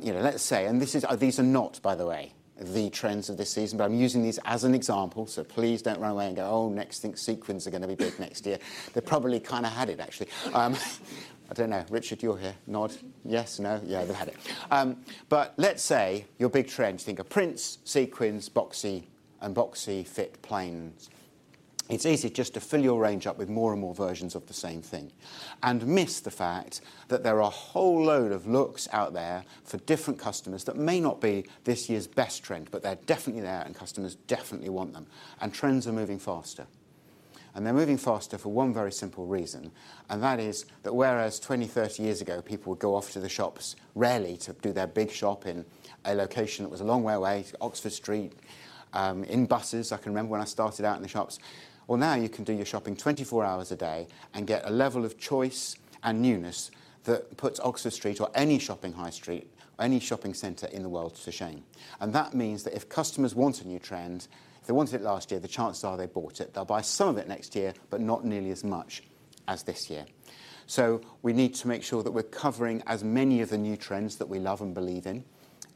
you know, let's say and this is these are not, by the way, the trends of this season. But I'm using these as an example. So please don't run away and go, "Oh, Next thinks sequins are gonna be big next year." They probably kinda had it, actually. I don't know. Richard, you're here. Nod. Yes? No? Yeah, they've had it. But let's say your big trends, think of Prints, Sequins, Boxy, and Boxy Fit Plains. It's easy just to fill your range up with more and more versions of the same thing and miss the fact that there are a whole load of looks out there for different customers that may not be this year's best trend, but they're definitely there, and customers definitely want them. And trends are moving faster. And they're moving faster for one very simple reason. That is that whereas 20 years, 30 years ago, people would go off to the shops rarely to do their big shop in a location that was a long way away, Oxford Street, in buses. I can remember when I started out in the shops. Well, now, you can do your shopping 24 hours a day and get a level of choice and newness that puts Oxford Street or any shopping high street or any shopping center in the world to shame. That means that if customers want a new trend, if they wanted it last year, the chances are they bought it. They'll buy some of it next year, but not nearly as much as this year. So we need to make sure that we're covering as many of the new trends that we love and believe in.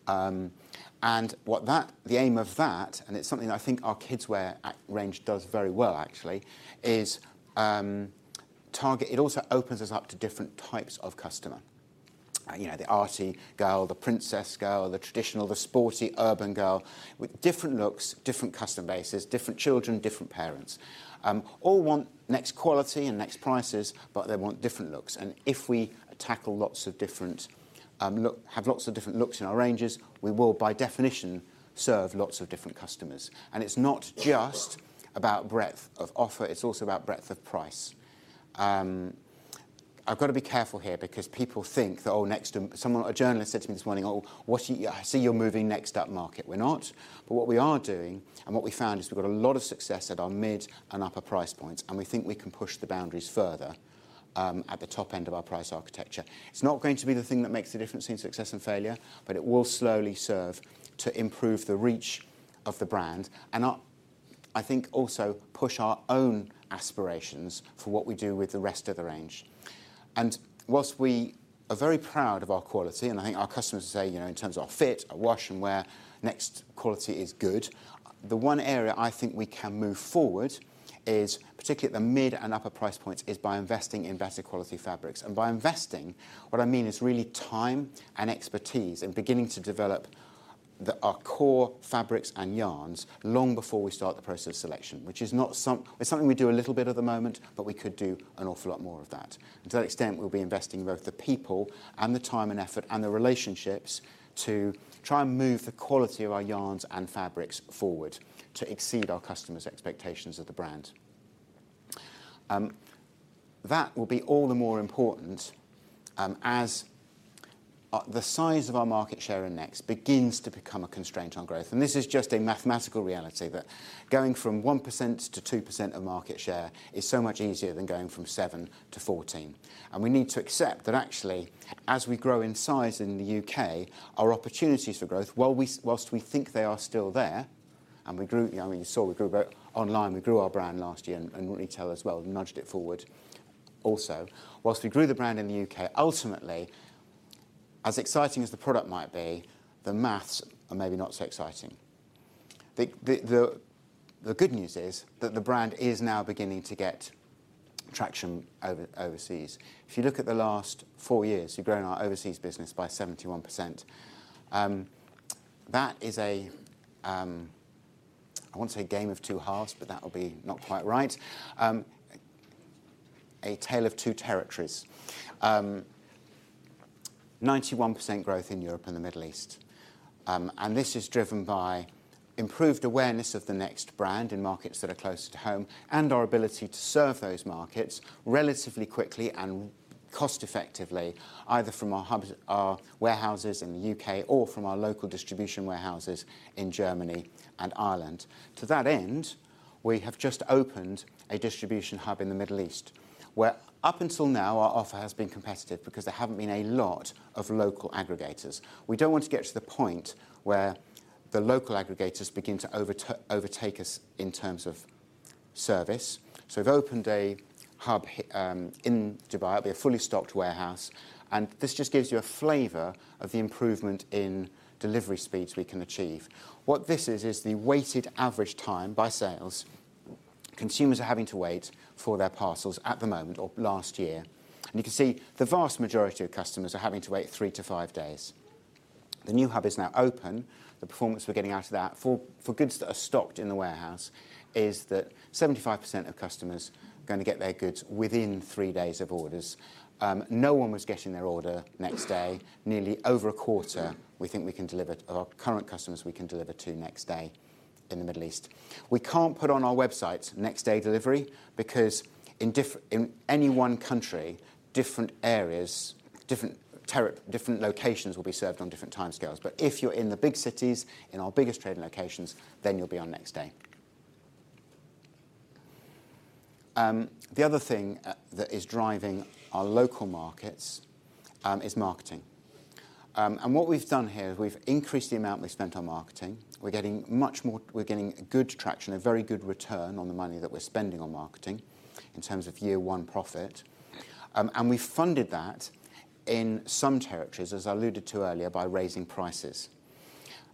And what is the aim of that, and it's something that I think our kids' wear active range does very well, actually, is target. It also opens us up to different types of customer. You know, the arty girl, the princess girl, the traditional, the sporty urban girl with different looks, different customer bases, different children, different parents. All want Next quality and Next prices, but they want different looks. And if we tackle lots of different looks, have lots of different looks in our ranges, we will, by definition, serve lots of different customers. And it's not just about breadth of offer. It's also about breadth of price. I've gotta be careful here because people think that, "Oh, Next. Someone a journalist said to me this morning, 'Oh, what, I see you're moving Next upmarket.'" We're not. What we are doing and what we found is we've got a lot of success at our mid and upper price points. We think we can push the boundaries further, at the top end of our price architecture. It's not going to be the thing that makes the difference in success and failure, but it will slowly serve to improve the reach of the brand and, I think, also push our own aspirations for what we do with the rest of the range. While we are very proud of our quality and I think our customers say, you know, in terms of our fit, our wash and wear, Next quality is good. The one area I think we can move forward is particularly at the mid and upper price points is by investing in better quality fabrics. And by investing, what I mean is really time and expertise and beginning to develop our core fabrics and yarns long before we start the process of selection, which is something we do a little bit at the moment, but we could do an awful lot more of that. And to that extent, we'll be investing both the people and the time and effort and the relationships to try and move the quality of our yarns and fabrics forward to exceed our customers' expectations of the brand. That will be all the more important, as the size of our market share in Next begins to become a constraint on growth. And this is just a mathematical reality that going from 1%-2% of market share is so much easier than going from 7%-14%. We need to accept that, actually, as we grow in size in the UK, our opportunities for growth while we think they are still there and we grew you know, I mean, you saw we grew about online. We grew our brand last year and, and retail as well nudged it forward also. Whilst we grew the brand in the UK, ultimately, as exciting as the product might be, the math is maybe not so exciting. The good news is that the brand is now beginning to get traction overseas. If you look at the last four years, we've grown our overseas business by 71%. That is a, I won't say game of two halves, but that will be not quite right. A tale of two territories. 91% growth in Europe and the Middle East. This is driven by improved awareness of the Next brand in markets that are closer to home and our ability to serve those markets relatively quickly and cost-effectively either from our hubs our warehouses in the UK or from our local distribution warehouses in Germany and Ireland. To that end, we have just opened a distribution hub in the Middle East where, up until now, our offer has been competitive because there haven't been a lot of local aggregators. We don't want to get to the point where the local aggregators begin to overtake us in terms of service. So we've opened a hub in Dubai. It'll be a fully stocked warehouse. And this just gives you a flavor of the improvement in delivery speeds we can achieve. What this is, is the weighted average time by sales consumers are having to wait for their parcels at the moment or last year. And you can see the vast majority of customers are having to wait three to five days. The new hub is now open. The performance we're getting out of that for, for goods that are stocked in the warehouse is that 75% of customers are gonna get their goods within three days of orders. No one was getting their order next day. Nearly over a quarter, we think, we can deliver of our current customers we can deliver to next day in the Middle East. We can't put on our website next day delivery because in diff in any one country, different areas, different terri different locations will be served on different timescales. But if you're in the big cities, in our biggest trading locations, then you'll be on Next Day. The other thing that is driving our local markets is marketing. And what we've done here is we've increased the amount we've spent on marketing. We're getting good traction, a very good return on the money that we're spending on marketing in terms of year-one profit. And we funded that in some territories, as I alluded to earlier, by raising prices.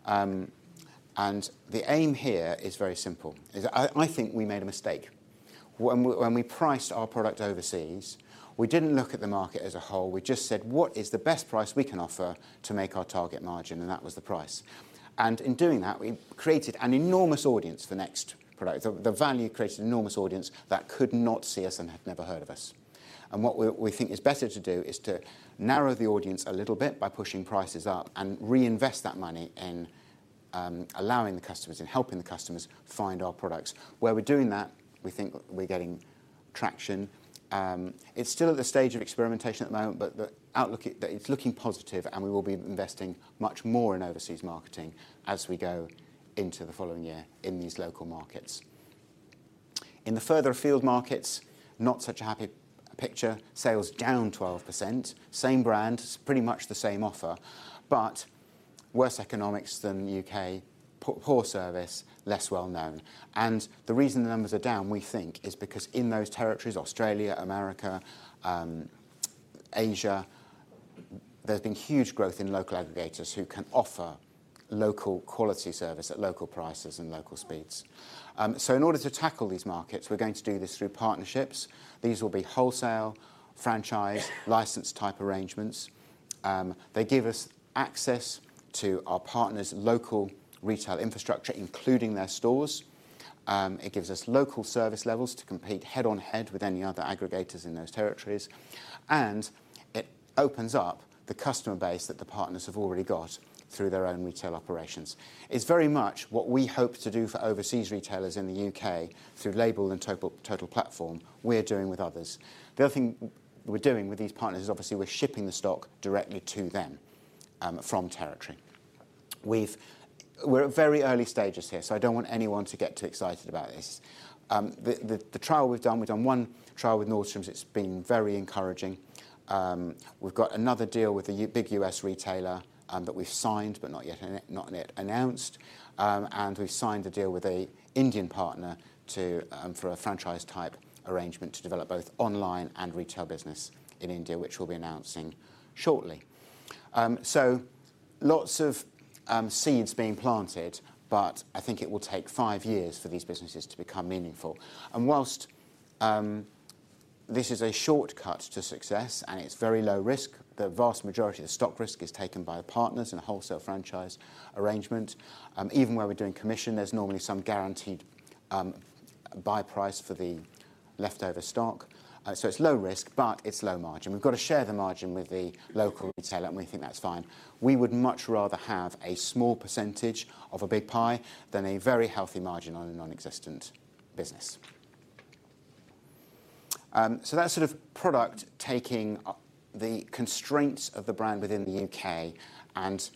And the aim here is very simple. I think we made a mistake. When we priced our product overseas, we didn't look at the market as a whole. We just said, "What is the best price we can offer to make our target margin?" And that was the price. And in doing that, we created an enormous audience for Next product. The value created an enormous audience that could not see us and had never heard of us. And what we think is better to do is to narrow the audience a little bit by pushing prices up and reinvest that money in allowing the customers in helping the customers find our products. Where we're doing that, we think we're getting traction. It's still at the stage of experimentation at the moment, but the outlook is that it's looking positive, and we will be investing much more in overseas marketing as we go into the following year in these local markets. In the further afield markets, not such a happy picture. Sales down 12%. Same brand. It's pretty much the same offer. But worse economics than the UK. Poor service. Less well known. And the reason the numbers are down, we think, is because in those territories, Australia, America, Asia, there's been huge growth in local aggregators who can offer local quality service at local prices and local speeds. So in order to tackle these markets, we're going to do this through partnerships. These will be wholesale, franchise, licensed-type arrangements. They give us access to our partner's local retail infrastructure, including their stores. It gives us local service levels to compete head-on-head with any other aggregators in those territories. And it opens up the customer base that the partners have already got through their own retail operations. It's very much what we hope to do for overseas retailers in the UK through Label and Total Platform we're doing with others. The other thing we're doing with these partners is, obviously, we're shipping the stock directly to them, from territory. We're at very early stages here, so I don't want anyone to get too excited about this. The trial we've done—we've done one trial with Nordstrom. It's been very encouraging. We've got another deal with a huge US retailer that we've signed but not yet announced. And we've signed a deal with an Indian partner for a franchise-type arrangement to develop both online and retail business in India, which we'll be announcing shortly. So lots of seeds being planted, but I think it will take five years for these businesses to become meaningful. And whilst this is a shortcut to success and it's very low risk, the vast majority of the stock risk is taken by the partners in a wholesale franchise arrangement. Even where we're doing commission, there's normally some guaranteed buy price for the leftover stock. So it's low risk, but it's low margin. We've gotta share the margin with the local retailer, and we think that's fine. We would much rather have a small percentage of a big pie than a very healthy margin on a nonexistent business. So that's sort of product taking, the constraints of the brand within the UK and,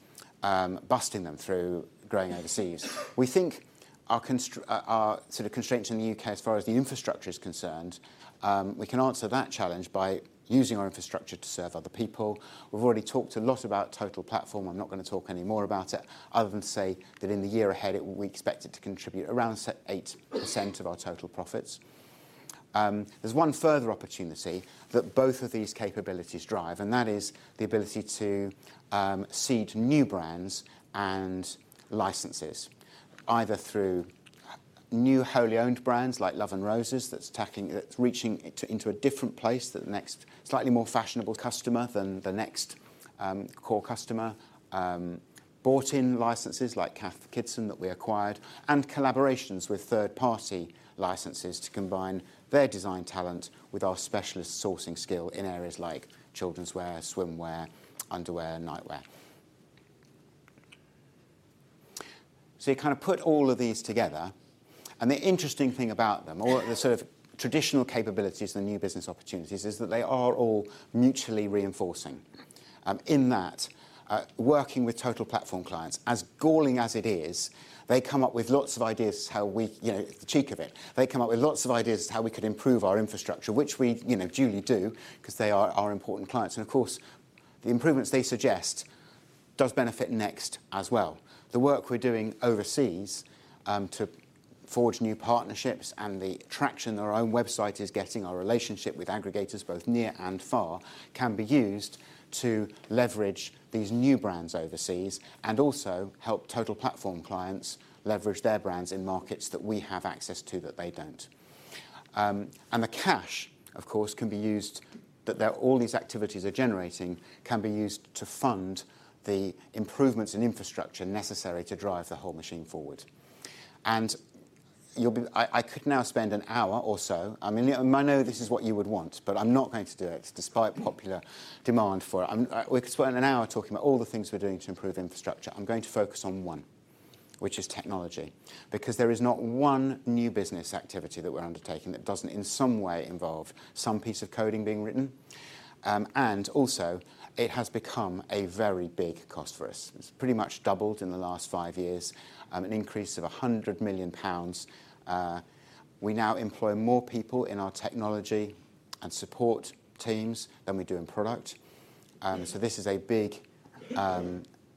busting them through growing overseas. We think our sort of constraints in the UK as far as the infrastructure is concerned, we can answer that challenge by using our infrastructure to serve other people. We've already talked a lot about Total Platform. I'm not gonna talk anymore about it other than to say that in the year ahead, we expect it to contribute around say 8% of our total profits. There's one further opportunity that both of these capabilities drive, and that is the ability to seed new brands and licenses either through new wholly-owned brands like Love & Roses that's tackling that's reaching it to into a different place that the Next slightly more fashionable customer than the Next core customer, bought-in licenses like Cath Kidston that we acquired, and collaborations with third-party licenses to combine their design talent with our specialist sourcing skill in areas like children's wear, swimwear, underwear, and nightwear. So you kinda put all of these together. And the interesting thing about them all the sort of traditional capabilities and the new business opportunities is that they are all mutually reinforcing in that working with Total Platform clients, as galling as it is, they come up with lots of ideas to how we you know, the cheek of it. They come up with lots of ideas to how we could improve our infrastructure, which we, you know, duly do 'cause they are, are important clients. And, of course, the improvements they suggest do benefit Next as well. The work we're doing overseas, to forge new partnerships and the traction that our own website is getting, our relationship with aggregators both near and far, can be used to leverage these new brands overseas and also help Total Platform clients leverage their brands in markets that we have access to that they don't. And the cash, of course, can be used that they're all these activities are generating can be used to fund the improvements in infrastructure necessary to drive the whole machine forward. And you'll be I, I could now spend an hour or so. I mean, you know, I know this is what you would want, but I'm not going to do it despite popular demand for it. I'm, we could spend an hour talking about all the things we're doing to improve infrastructure. I'm going to focus on one, which is technology because there is not one new business activity that we're undertaking that doesn't in some way involve some piece of coding being written. And also, it has become a very big cost for us. It's pretty much doubled in the last five years, an increase of 100 million pounds. We now employ more people in our technology and support teams than we do in product. So this is a big,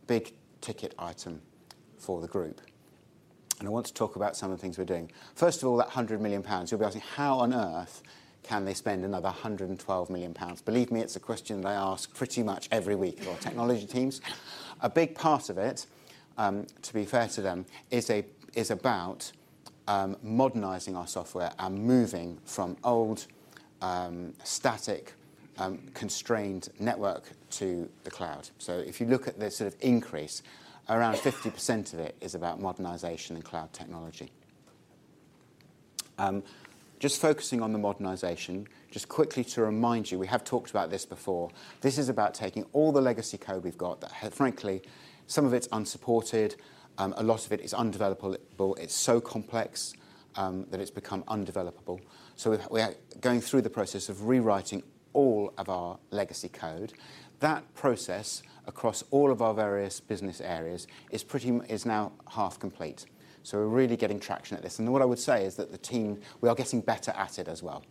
big ticket item for the group. And I want to talk about some of the things we're doing. First of all, that 100 million pounds. You'll be asking, "How on earth can they spend another 112 million pounds?" Believe me, it's a question that I ask pretty much every week of our technology teams. A big part of it, to be fair to them, is about modernizing our software and moving from old, static, constrained network to the cloud. So if you look at this sort of increase, around 50% of it is about modernization and cloud technology. Just focusing on the modernization, just quickly to remind you, we have talked about this before. This is about taking all the legacy code we've got that has frankly, some of it's unsupported. A lot of it is undevelopable. It's so complex, that it's become undevelopable. So we are going through the process of rewriting all of our legacy code. That process across all of our various business areas is pretty much now half complete. So we're really getting traction at this. And what I would say is that the team we are getting better at it as well.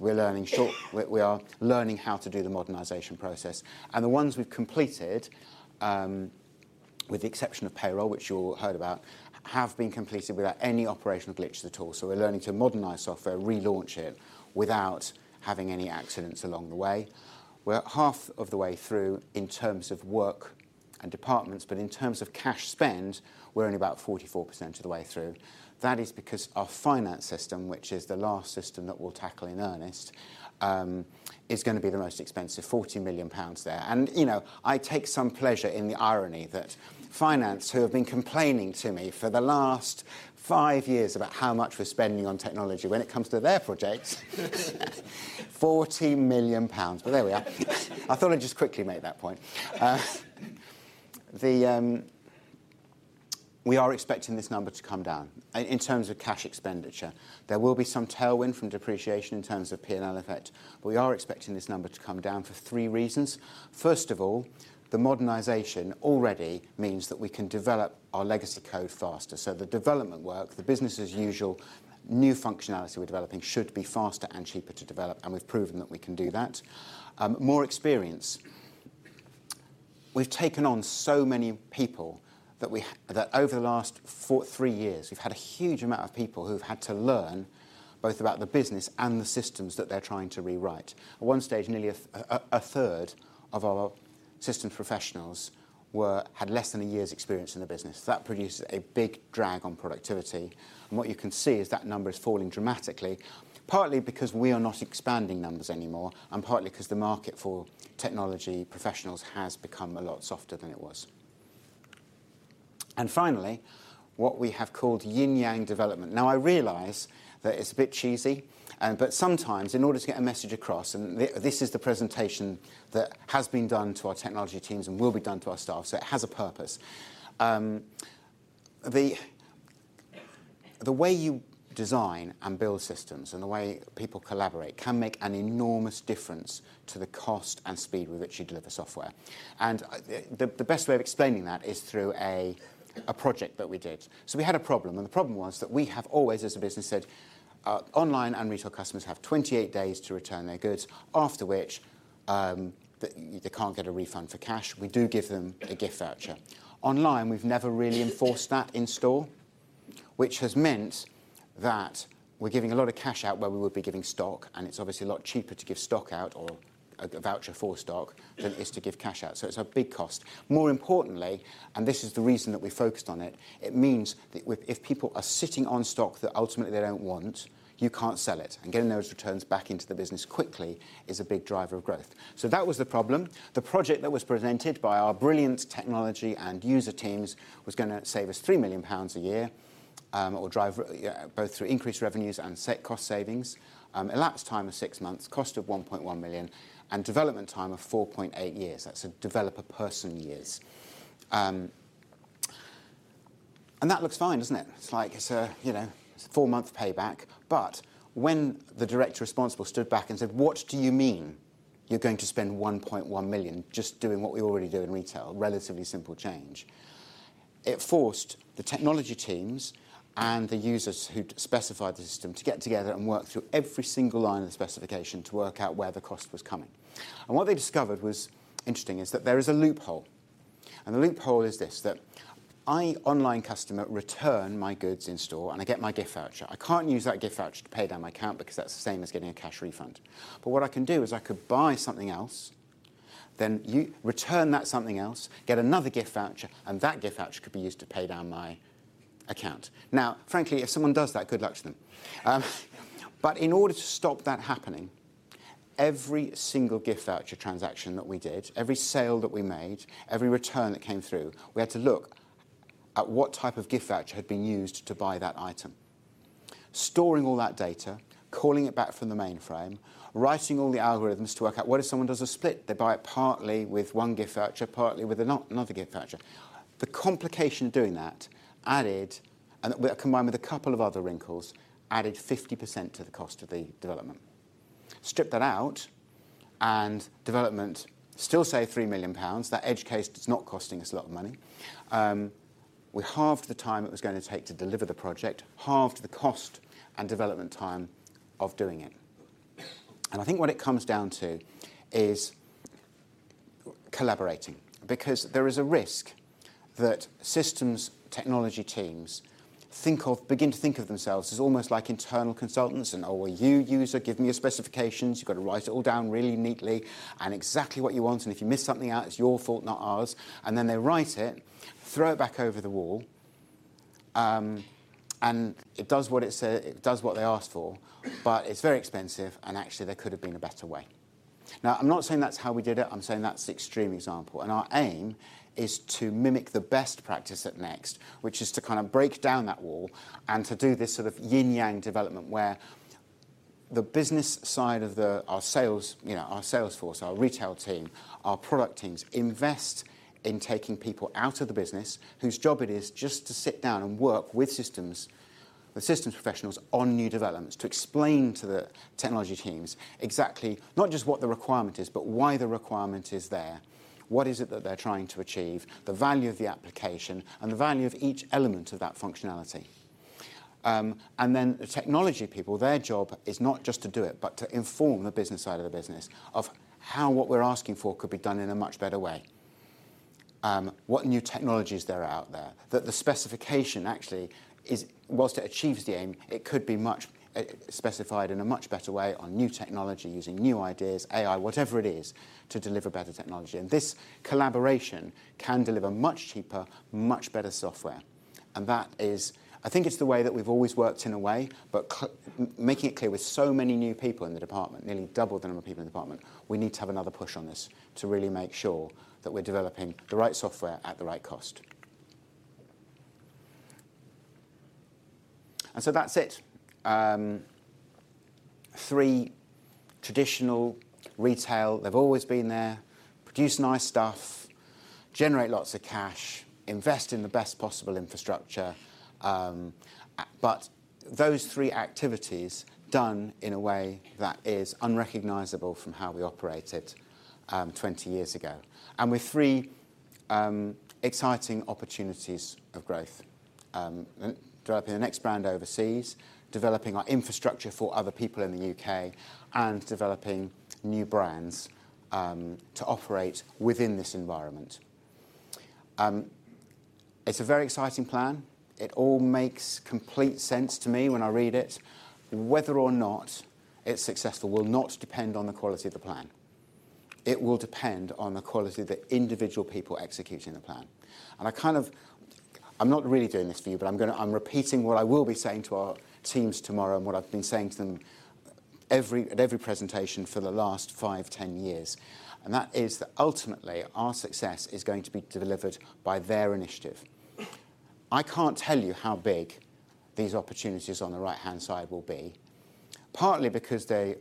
We're learning—we are learning how to do the modernization process. And the ones we've completed, with the exception of payroll, which you all heard about, have been completed without any operational glitches at all. So we're learning to modernize software, relaunch it without having any accidents along the way. We're half of the way through in terms of work and departments, but in terms of cash spend, we're only about 44% of the way through. That is because our finance system, which is the last system that we'll tackle in earnest, is gonna be the most expensive, 40 million pounds there. You know, I take some pleasure in the irony that finance, who have been complaining to me for the last five years about how much we're spending on technology when it comes to their projects, 40 million pounds. But there we are. I thought I'd just quickly make that point. We are expecting this number to come down in terms of cash expenditure. There will be some tailwind from depreciation in terms of P&L effect, but we are expecting this number to come down for three reasons. First of all, the modernization already means that we can develop our legacy code faster. So the development work, the business-as-usual, new functionality we're developing should be faster and cheaper to develop, and we've proven that we can do that. more experience. We've taken on so many people that over the last three years, we've had a huge amount of people who've had to learn both about the business and the systems that they're trying to rewrite. At one stage, nearly a third of our systems professionals had less than a year's experience in the business. That produces a big drag on productivity. And what you can see is that number is falling dramatically, partly because we are not expanding numbers anymore and partly 'cause the market for technology professionals has become a lot softer than it was. And finally, what we have called yin-yang development. Now, I realize that it's a bit cheesy, but sometimes, in order to get a message across, and this is the presentation that has been done to our technology teams and will be done to our staff, so it has a purpose. The way you design and build systems and the way people collaborate can make an enormous difference to the cost and speed with which you deliver software. The best way of explaining that is through a project that we did. So we had a problem, and the problem was that we have always, as a business, said, online and retail customers have 28 days to return their goods, after which they can't get a refund for cash. We do give them a gift voucher. Online, we've never really enforced that in store, which has meant that we're giving a lot of cash out where we would be giving stock, and it's obviously a lot cheaper to give stock out or a voucher for stock than it is to give cash out. So it's a big cost. More importantly, and this is the reason that we focused on it, it means that if people are sitting on stock that ultimately they don't want, you can't sell it. And getting those returns back into the business quickly is a big driver of growth. So that was the problem. The project that was presented by our brilliant technology and user teams was gonna save us 3 million pounds a year, or drive you know, both through increased revenues and set cost savings. Elapsed time of 6 months, cost of 1.1 million, and development time of 4.8 years. That's a developer-person years. And that looks fine, doesn't it? It's like it's a, you know, it's a 4-month payback. But when the director responsible stood back and said, "What do you mean you're going to spend 1.1 million just doing what we already do in retail, relatively simple change?" it forced the technology teams and the users who'd specified the system to get together and work through every single line of the specification to work out where the cost was coming. And what they discovered was interesting is that there is a loophole. And the loophole is this: that I, online customer, return my goods in store, and I get my gift voucher. I can't use that gift voucher to pay down my account because that's the same as getting a cash refund. But what I can do is I could buy something else, then you return that something else, get another gift voucher, and that gift voucher could be used to pay down my account. Now, frankly, if someone does that, good luck to them. But in order to stop that happening, every single gift voucher transaction that we did, every sale that we made, every return that came through, we had to look at what type of gift voucher had been used to buy that item, storing all that data, calling it back from the mainframe, writing all the algorithms to work out what if someone does a split. They buy it partly with one gift voucher, partly with another gift voucher. The complication of doing that added, and that we combined with a couple of other wrinkles, added 50% to the cost of the development. Strip that out, and development still save 3 million pounds. That edge case is not costing us a lot of money. We halved the time it was gonna take to deliver the project, halved the cost and development time of doing it. And I think what it comes down to is collaborating because there is a risk that systems technology teams think of begin to think of themselves as almost like internal consultants and, "Oh, well, you, user, give me your specifications. You've gotta write it all down really neatly and exactly what you want. And if you miss something out, it's your fault, not ours." And then they write it, throw it back over the wall, and it does what they asked for, but it's very expensive, and actually, there could have been a better way. Now, I'm not saying that's how we did it. I'm saying that's the extreme example. Our aim is to mimic the best practice at Next, which is to kinda break down that wall and to do this sort of yin-yang development where the business side of our sales, you know, our sales force, our retail team, our product teams invest in taking people out of the business whose job it is just to sit down and work with the systems professionals on new developments, to explain to the technology teams exactly not just what the requirement is but why the requirement is there, what is it that they're trying to achieve, the value of the application, and the value of each element of that functionality. Then the technology people, their job is not just to do it but to inform the business side of the business of how what we're asking for could be done in a much better way, what new technologies there are out there, that the specification actually is while it achieves the aim, it could be much specified in a much better way on new technology using new ideas, AI, whatever it is, to deliver better technology. And this collaboration can deliver much cheaper, much better software. And that is, I think it's the way that we've always worked in a way, but I'm making it clear with so many new people in the department, nearly double the number of people in the department, we need to have another push on this to really make sure that we're developing the right software at the right cost. And so that's it. Three traditional retail they've always been there: produce nice stuff, generate lots of cash, invest in the best possible infrastructure, but those three activities done in a way that is unrecognizable from how we operated 20 years ago. And with three exciting opportunities of growth, developing the Next brand overseas, developing our infrastructure for other people in the UK, and developing new brands to operate within this environment. It's a very exciting plan. It all makes complete sense to me when I read it. Whether or not it's successful will not depend on the quality of the plan. It will depend on the quality of the individual people executing the plan. And I kind of I'm not really doing this for you, but I'm gonna repeating what I will be saying to our teams tomorrow and what I've been saying to them at every presentation for the last 5 years, 10 years. And that is that ultimately, our success is going to be delivered by their initiative. I can't tell you how big these opportunities on the right-hand side will be, partly because they're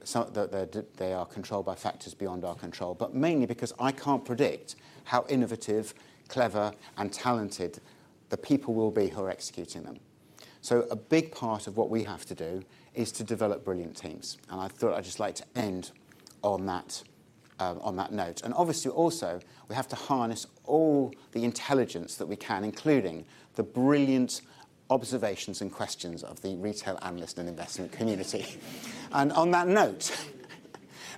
controlled by factors beyond our control, but mainly because I can't predict how innovative, clever, and talented the people will be who are executing them. So a big part of what we have to do is to develop brilliant teams. And I thought I'd just like to end on that note. And obviously, also, we have to harness all the intelligence that we can, including the brilliant observations and questions of the retail analyst and investment community. And on that note,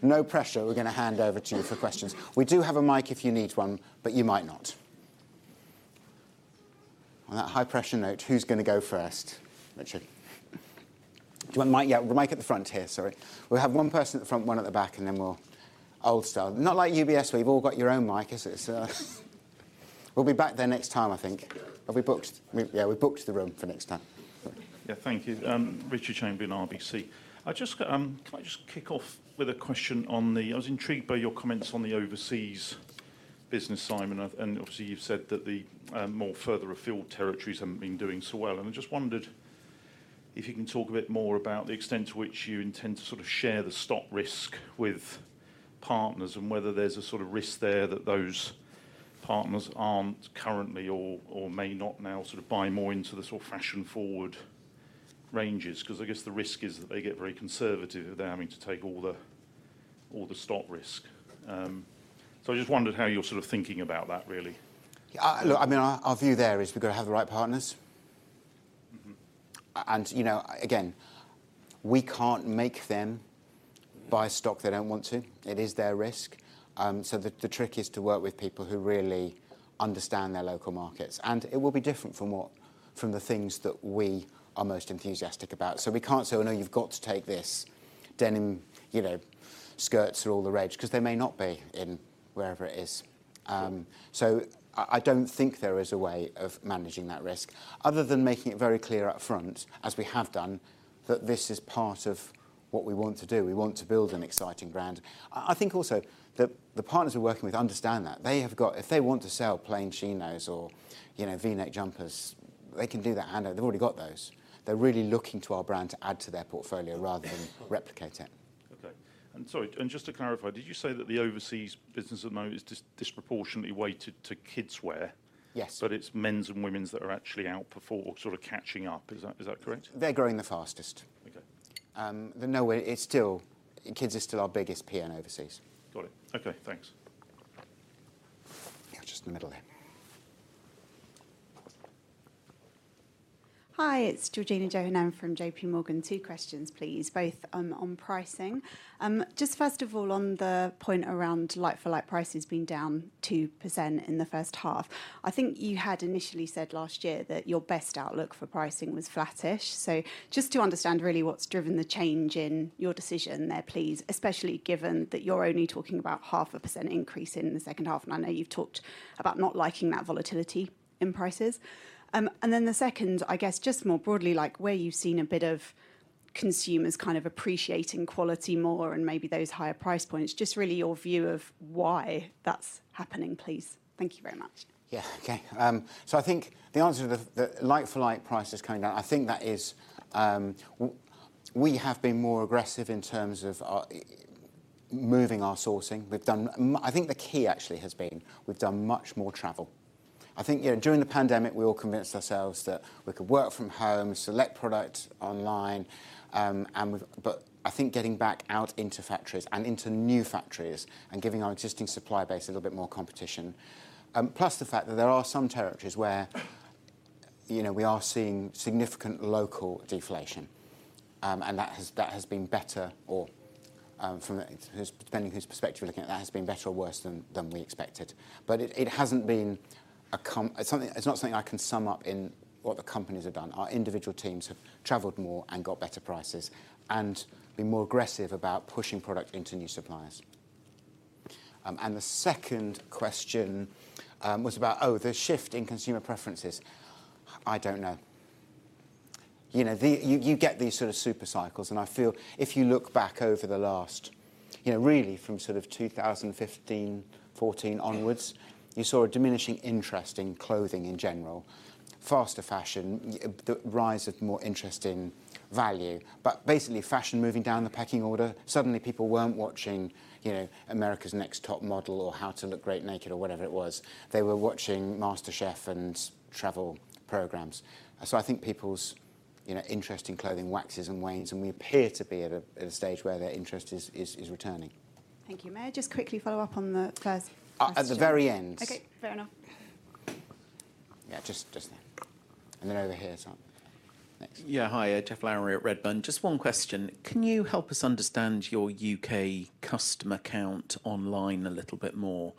no pressure. We're gonna hand over to you for questions. We do have a mic if you need one, but you might not. On that high-pressure note, who's gonna go first? Richard. Do you want Mike? Yeah. We'll have Mike at the front here. Sorry. We'll have one person at the front, one at the back, and then we'll old style. Not like UBS, where you've all got your own mic, is it? So, we'll be back there next time, I think. Have we booked? We yeah. We've booked the room for next time. Sorry. Yeah. Thank you. Richard Sheridan, RBC. Can I just kick off with a question on the? I was intrigued by your comments on the overseas business, Simon. And, and obviously, you've said that the, more further afield territories haven't been doing so well. And I just wondered if you can talk a bit more about the extent to which you intend to sort of share the stock risk with partners and whether there's a sort of risk there that those partners aren't currently or, or may not now sort of buy more into the sort of fashion-forward ranges 'cause I guess the risk is that they get very conservative if they're having to take all the all the stock risk. So I just wondered how you're sort of thinking about that, really. Yeah. I mean, our view there is we gotta have the right partners. Mm-hmm. And, you know, again, we can't make them buy stock they don't want to. It is their risk. So the trick is to work with people who really understand their local markets. And it will be different from what from the things that we are most enthusiastic about. So we can't say, "Oh, no. You've got to take this denim, you know, skirts are all the rage," 'cause they may not be in wherever it is. So I don't think there is a way of managing that risk other than making it very clear upfront, as we have done, that this is part of what we want to do. We want to build an exciting brand. I think also that the partners we're working with understand that. They have got if they want to sell plain chinos or, you know, V-neck jumpers, they can do that handle. They've already got those. They're really looking to our brand to add to their portfolio rather than replicate it. Okay. And, sorry. And just to clarify, did you say that the overseas business at the moment is disproportionately weighted to kids' wear? Yes. But it's men's and women's that are actually outperforming or sort of catching up. Is that correct? They're growing the fastest. Okay. No way. It's still kids are still our biggest PN overseas. Got it. Okay. Thanks. Yeah. Just in the middle there. Hi. It's Georgina Johanan from JPMorgan. Two questions, please, both on pricing. Just first of all, on the point around like-for-like price has been down 2% in the first half. I think you had initially said last year that your best outlook for pricing was flattish. So just to understand, really, what's driven the change in your decision there, please, especially given that you're only talking about 0.5% increase in the second half. And I know you've talked about not liking that volatility in prices. And then the second, I guess, just more broadly, like, where you've seen a bit of consumers kind of appreciating quality more and maybe those higher price points, just really your view of why that's happening, please. Thank you very much. Yeah. Okay, so I think the answer to the like-for-like price has come down. I think that is, we have been more aggressive in terms of our moving our sourcing. We've done more. I think the key, actually, has been we've done much more travel. I think, you know, during the pandemic, we all convinced ourselves that we could work from home, select products online, but I think getting back out into factories and into new factories and giving our existing supply base a little bit more competition, plus the fact that there are some territories where, you know, we are seeing significant local deflation, and that has been better or worse, from the, depending on whose perspective you're looking at, than we expected. But it hasn't been a comeback. It's something it's not something I can sum up in what the companies have done. Our individual teams have traveled more and got better prices and been more aggressive about pushing product into new suppliers. And the second question was about, "Oh, the shift in consumer preferences." I don't know. You know, you get these sort of supercycles. And I feel if you look back over the last you know, really, from sort of 2015, 2014 onwards, you saw a diminishing interest in clothing in general, fast fashion, the rise of more interest in value. But basically, fashion moving down the pecking order. Suddenly, people weren't watching, you know, America's Next Top Model or how to look great naked or whatever it was. They were watching MasterChef and travel programs. So I think people's, you know, interest in clothing waxes and wanes. And we appear to be at a stage where their interest is returning. Thank you. May I just quickly follow up on the first? At the very end. Okay. Fair enough. Yeah. Just there. And then over here, sorry. Next. Yeah. Hi. Geoff Lowery at Redburn. Just one question. Can you help us understand your UK customer count online a little bit more,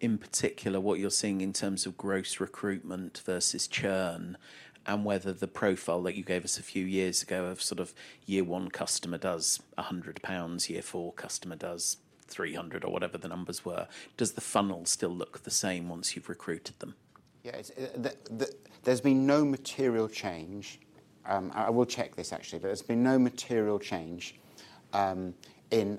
in particular, what you're seeing in terms of gross recruitment versus churn and whether the profile that you gave us a few years ago of sort of year one customer does 100 pounds, year four customer does 300 or whatever the numbers were, does the funnel still look the same once you've recruited them? Yeah. It's the. There's been no material change. I will check this, actually. But there's been no material change in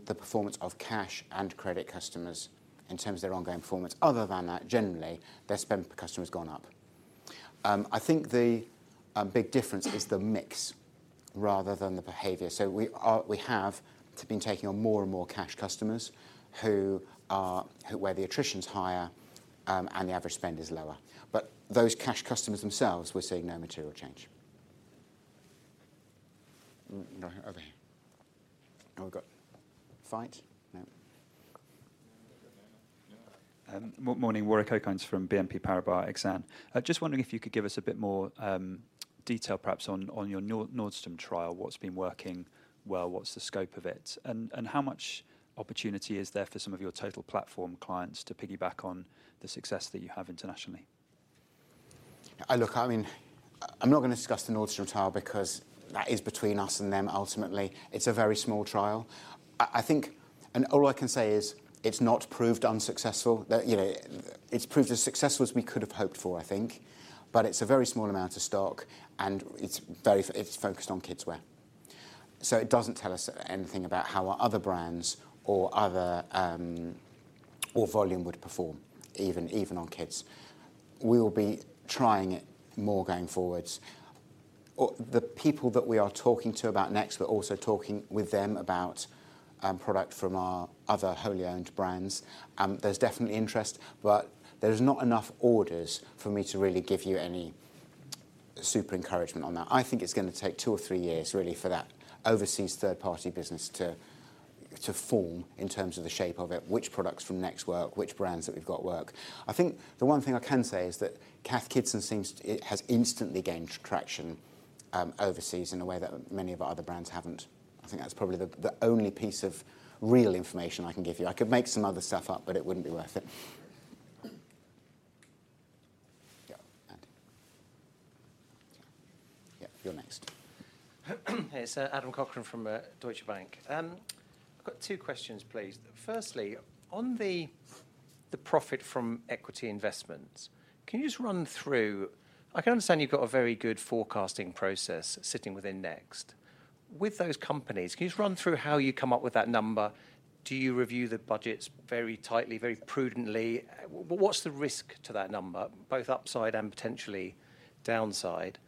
the performance of cash and credit customers in terms of their ongoing performance. Other than that, generally, their spend per customer has gone up. I think the big difference is the mix rather than the behavior. So we have been taking on more and more cash customers who where the attrition's higher, and the average spend is lower. But those cash customers themselves, we're seeing no material change. No, over here. Oh, we've got a fight. No. Morning. Warwick Okines from BNP Paribas Exane. Just wondering if you could give us a bit more detail, perhaps, on your Nordstrom trial, what's been working well, what's the scope of it, and how much opportunity is there for some of your Total Platform clients to piggyback on the success that you have internationally? I look, I mean, I'm not gonna discuss the Nordstrom trial because that is between us and them, ultimately. It's a very small trial. I think and all I can say is it's not proved unsuccessful. That, you know, it's proved as successful as we could have hoped for, I think. But it's a very small amount of stock, and it's very focused on kids' wear. So it doesn't tell us anything about how our other brands or other, or volume would perform even, even on kids. We will be trying it more going forwards. The people that we are talking to about Next, we're also talking with them about product from our other wholly owned brands. There's definitely interest, but there's not enough orders for me to really give you any super encouragement on that. I think it's gonna take two or three years, really, for that overseas third-party business to, to form in terms of the shape of it, which products from Next work, which brands that we've got work. I think the one thing I can say is that Cath Kidston seems to have instantly gained traction, overseas in a way that many of our other brands haven't. I think that's probably the, the only piece of real information I can give you. I could make some other stuff up, but it wouldn't be worth it. Yeah. Andy. Yeah. You're next. Hey. It's Adam Sheridan from Deutsche Bank. I've got two questions, please. Firstly, on the profit from equity investments, can you just run through? I can understand you've got a very good forecasting process sitting within Next. With those companies, can you just run through how you come up with that number? Do you review the budgets very tightly, very prudently? What's the risk to that number, both upside and potentially downside?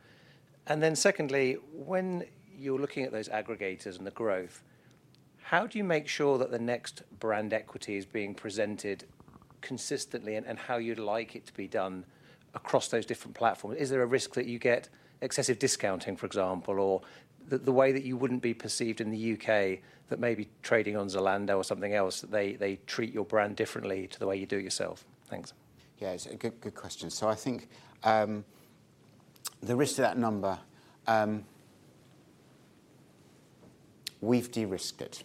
And then secondly, when you're looking at those aggregators and the growth, how do you make sure that the Next brand equity is being presented consistently and how you'd like it to be done across those different platforms? Is there a risk that you get excessive discounting, for example, or the way that you wouldn't be perceived in the UK that maybe trading on Zalando or something else, that they treat your brand differently to the way you do it yourself? Thanks. Yeah. It's a good, good question. So, I think the risk of that number, we've de-risked it.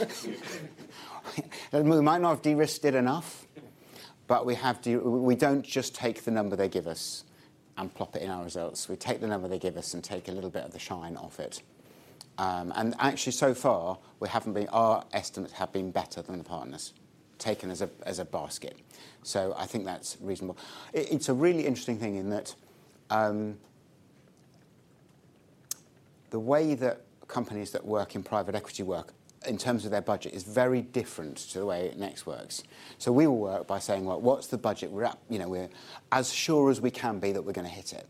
Okay. We might not have de-risked it enough, but we don't just take the number they give us and plop it in our results. We take the number they give us and take a little bit of the shine off it. Actually, so far, our estimates have been better than the partners' taken as a basket. So I think that's reasonable. It's a really interesting thing in that the way that companies that work in private equity work in terms of their budget is very different to the way Next works. So we will work by saying, "Well, what's the budget we're at?" You know, we're as sure as we can be that we're gonna hit it.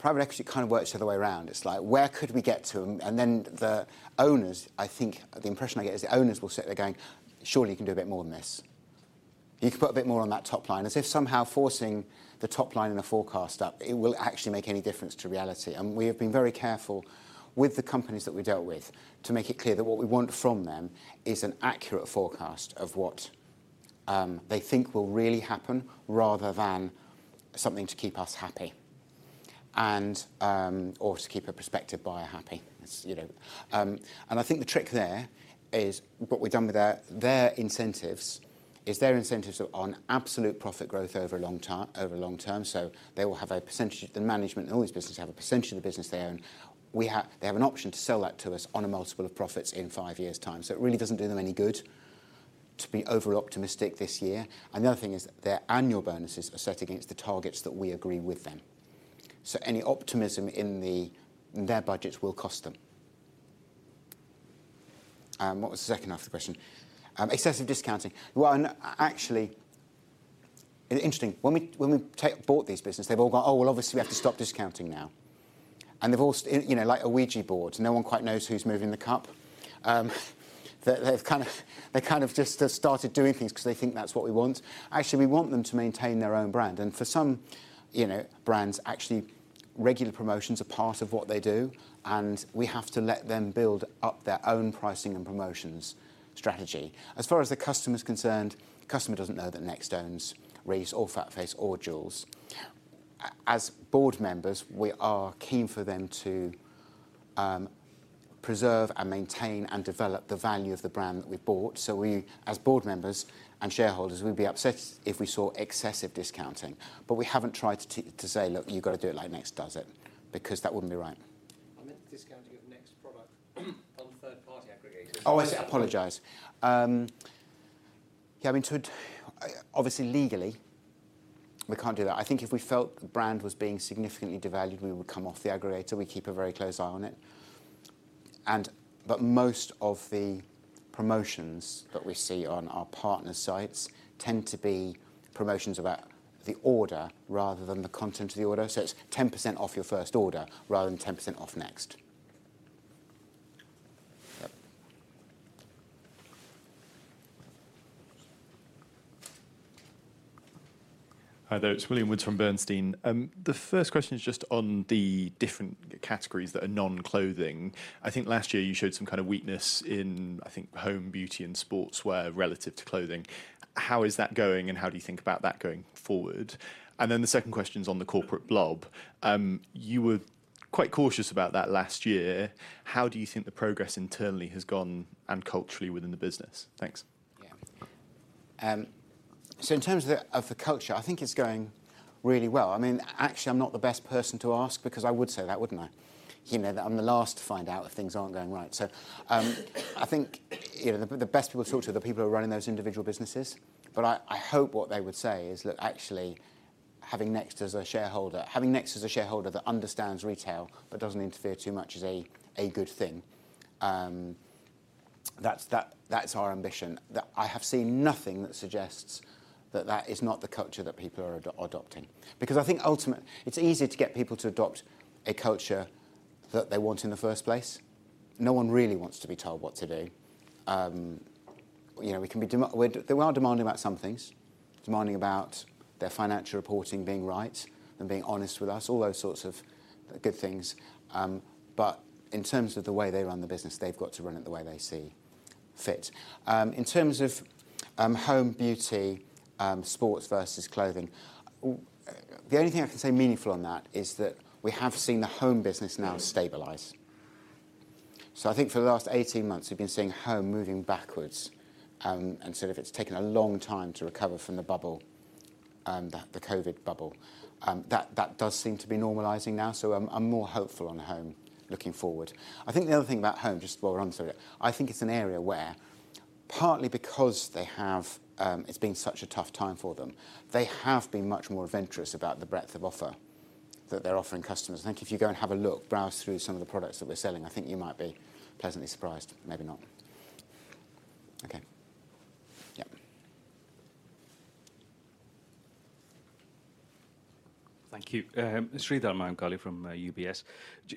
Private equity kinda works the other way around. It's like, "Where could we get to?" And then the owners, I think the impression I get is the owners will sit there going, "Surely, you can do a bit more than this. You can put a bit more on that top line." As if somehow forcing the top line in the forecast up, it will actually make any difference to reality. And we have been very careful with the companies that we've dealt with to make it clear that what we want from them is an accurate forecast of what they think will really happen rather than something to keep us happy and, or to keep a prospective buyer happy. It's, you know, and I think the trick there is what we've done with their incentives is their incentives are on absolute profit growth over a long term. So they will have a percentage the management in all these businesses have a percentage of the business they own. They have an option to sell that to us on a multiple of profits in five years' time. So it really doesn't do them any good to be overoptimistic this year. And the other thing is their annual bonuses are set against the targets that we agree with them. So any optimism in their budgets will cost them. What was the second half of the question? Excessive discounting. Well, actually, it's interesting. When we bought these businesses, they've all gone, "Oh, well, obviously, we have to stop discounting now." And they've all, you know, like Ouija boards. No one quite knows who's moving the cup. They've kind of just started doing things 'cause they think that's what we want. Actually, we want them to maintain their own brand. And for some, you know, brands, actually, regular promotions are part of what they do. And we have to let them build up their own pricing and promotions strategy. As far as the customer's concerned, the customer doesn't know that Next owns Reiss or FatFace or Joules. As board members, we are keen for them to preserve and maintain and develop the value of the brand that we bought. So we, as board members and shareholders, we'd be upset if we saw excessive discounting. But we haven't tried to say, "Look, you gotta do it like Next does it," because that wouldn't be right. I meant discounting of Next's product on third-party aggregators. Oh, I said apologize. Yeah. I mean, to d obviously, legally, we can't do that. I think if we felt the brand was being significantly devalued, we would come off the aggregator. We keep a very close eye on it. And but most of the promotions that we see on our partner sites tend to be promotions about the order rather than the content of the order. So it's 10% off your first order rather than 10% off NEXT. Yep. Hi there. It's William Woods from Bernstein. The first question is just on the different categories that are non-clothing. I think last year, you showed some kind of weakness in, I think, home, beauty, and sportswear relative to clothing. How is that going, and how do you think about that going forward? And then the second question's on the corporate blob. You were quite cautious about that last year. How do you think the progress internally has gone and culturally within the business? Thanks. Yeah. So in terms of the culture, I think it's going really well. I mean, actually, I'm not the best person to ask because I would say that, wouldn't I? You know, that I'm the last to find out if things aren't going right. So, I think, you know, the best people to talk to are the people who are running those individual businesses. But I hope what they would say is, "Look, actually, having Next as a shareholder that understands retail but doesn't interfere too much is a good thing." That's our ambition. That I have seen nothing that suggests that that is not the culture that people are adopting. Because I think, ultimately, it's easy to get people to adopt a culture that they want in the first place. No one really wants to be told what to do. You know, we can be demanding, we are demanding about some things, demanding about their financial reporting being right and being honest with us, all those sorts of good things. But in terms of the way they run the business, they've got to run it the way they see fit. In terms of home, beauty, sports versus clothing, the only thing I can say meaningful on that is that we have seen the home business now stabilize. So I think for the last 18 months, we've been seeing home moving backwards. And sort of it's taken a long time to recover from the bubble, that the COVID bubble. That does seem to be normalizing now. So, I'm more hopeful on home looking forward. I think the other thing about home just while we're on the subject, I think it's an area where, partly because they have, it's been such a tough time for them, they have been much more adventurous about the breadth of offer that they're offering customers. I think if you go and have a look, browse through some of the products that we're selling, I think you might be pleasantly surprised. Maybe not. Okay. Yep. Thank you. Sreedhar Mahamkali from UBS.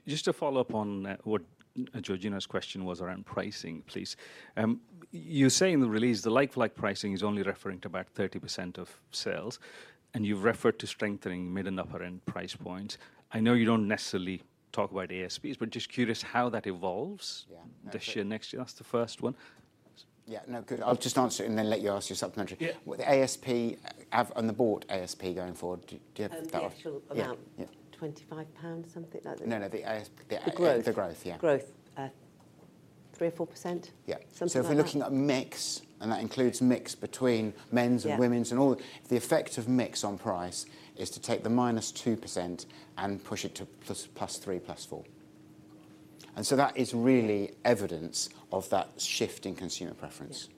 Just to follow up on what Georgina Sheridan's question was around pricing, please. You say in the release, the like-for-like pricing is only referring to about 30% of sales, and you've referred to strengthening mid and upper-end price points. I know you don't necessarily talk about ASPs, but just curious how that evolves. Yeah. No. This year, next year. That's the first one. Yeah. No, good. I'll just answer it and then let you ask your supplementary. Yeah. Well, the ASP have on the board ASP going forward, do you have that off? An initial amount. Yeah. Yeah. 25, something like that? No, no. The ASP. The growth. The growth. Yeah. Growth, 3% or 4%? Yeah. Something like that? So if we're looking at mix, and that includes mix between men's and women's, if the effect of mix on price is to take the -2% and push it to +3, +4. And so that is really evidence of that shift in consumer preference.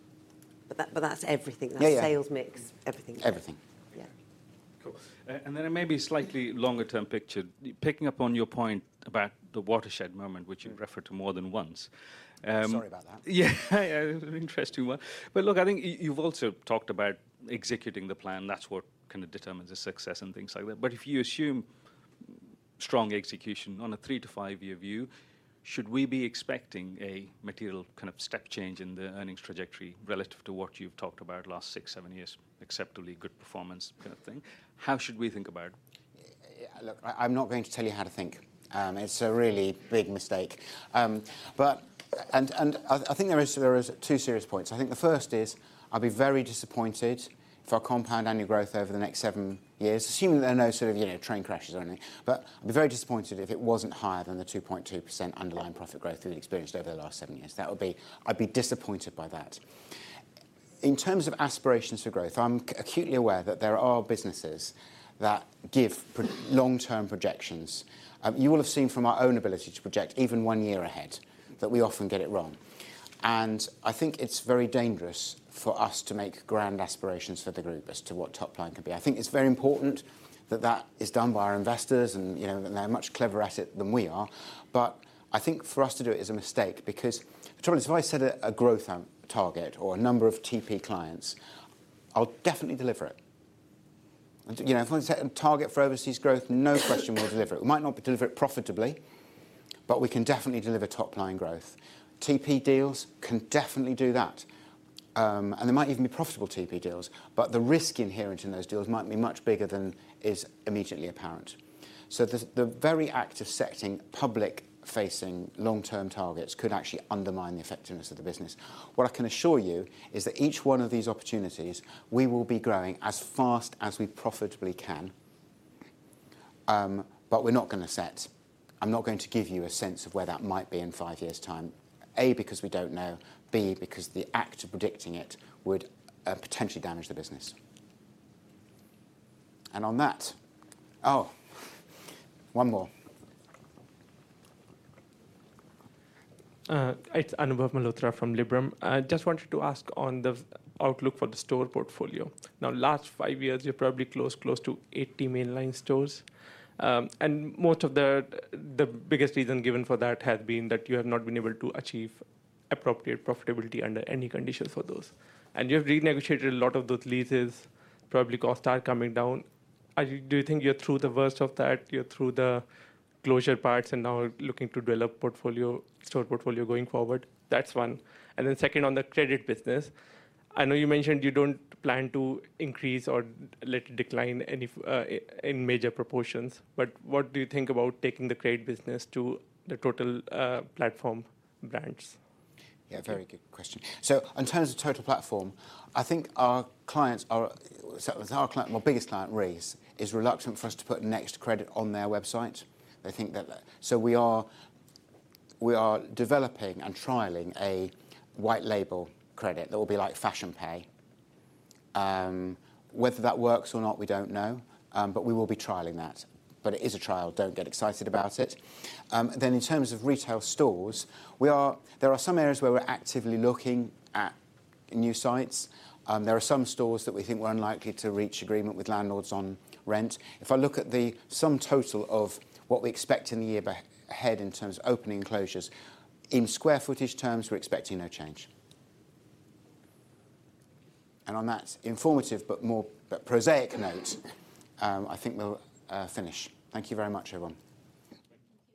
Yeah. But that's everything. Yeah. That's sales mix. Yeah. Everything. Everything. Yeah. Cool. And then a maybe slightly longer-term picture, picking up on your point about the watershed moment, which you've referred to more than once. Sorry about that. Yeah. Yeah. It was an interesting one. But look, I think you've also talked about executing the plan. That's what kinda determines the success and things like that. But if you assume strong execution on a 3-5-year view, should we be expecting a material kind of step change in the earnings trajectory relative to what you've talked about last 6-7 years, acceptably good performance kind of thing? How should we think about it? Look, I'm not going to tell you how to think. It's a really big mistake. But and I think there are two serious points. I think the first is I'll be very disappointed for our compound annual growth over the next seven years, assuming that there are no sort of, you know, train crashes or anything. But I'd be very disappointed if it wasn't higher than the 2.2% underlying profit growth that we've experienced over the last seven years. That would be. I'd be disappointed by that. In terms of aspirations for growth, I'm acutely aware that there are businesses that give long-term projections. You will have seen from our own ability to project even one year ahead that we often get it wrong. I think it's very dangerous for us to make grand aspirations for the group as to what top line can be. I think it's very important that that is done by our investors, and, you know, and they're much cleverer at it than we are. But I think for us to do it is a mistake because the trouble is if I set a growth target or a number of TP clients, I'll definitely deliver it. And, do you know, if I set a target for overseas growth, no question we'll deliver it. We might not deliver it profitably, but we can definitely deliver top-line growth. TP deals can definitely do that. And they might even be profitable TP deals, but the risk inherent in those deals might be much bigger than is immediately apparent. The very act of setting public-facing long-term targets could actually undermine the effectiveness of the business. What I can assure you is that each one of these opportunities, we will be growing as fast as we profitably can. But we're not gonna set—I'm not going to give you a sense of where that might be in five years' time, A, because we don't know, B, because the act of predicting it would potentially damage the business. And on that—oh, one more. It's Anabel Sheridan from Liberum. Just wanted to ask on the outlook for the store portfolio. Now, last five years, you've probably closed close to 80 mainline stores. And most of the biggest reason given for that has been that you have not been able to achieve appropriate profitability under any conditions for those. And you have renegotiated a lot of those leases. Probably costs are coming down. Do you think you're through the worst of that? You're through the closure parts and now looking to develop portfolio store portfolio going forward? That's one. And then second, on the credit business, I know you mentioned you don't plan to increase or let it decline in any major proportions. But what do you think about taking the credit business to the Total Platform brands? Yeah. Very good question. So in terms of Total Platform, I think our clients are—well, our biggest client, Reiss, is reluctant for us to put Next credit on their website. They think that so we are developing and trialing a white-label credit that will be like Fashion Pay. Whether that works or not, we don't know. But we will be trialing that. But it is a trial. Don't get excited about it. Then in terms of retail stores, there are some areas where we're actively looking at new sites. There are some stores that we think we're unlikely to reach agreement with landlords on rent. If I look at the sum total of what we expect in the year ahead in terms of opening and closures, in square footage terms, we're expecting no change. On that informative but more but prosaic note, I think we'll finish. Thank you very much, everyone.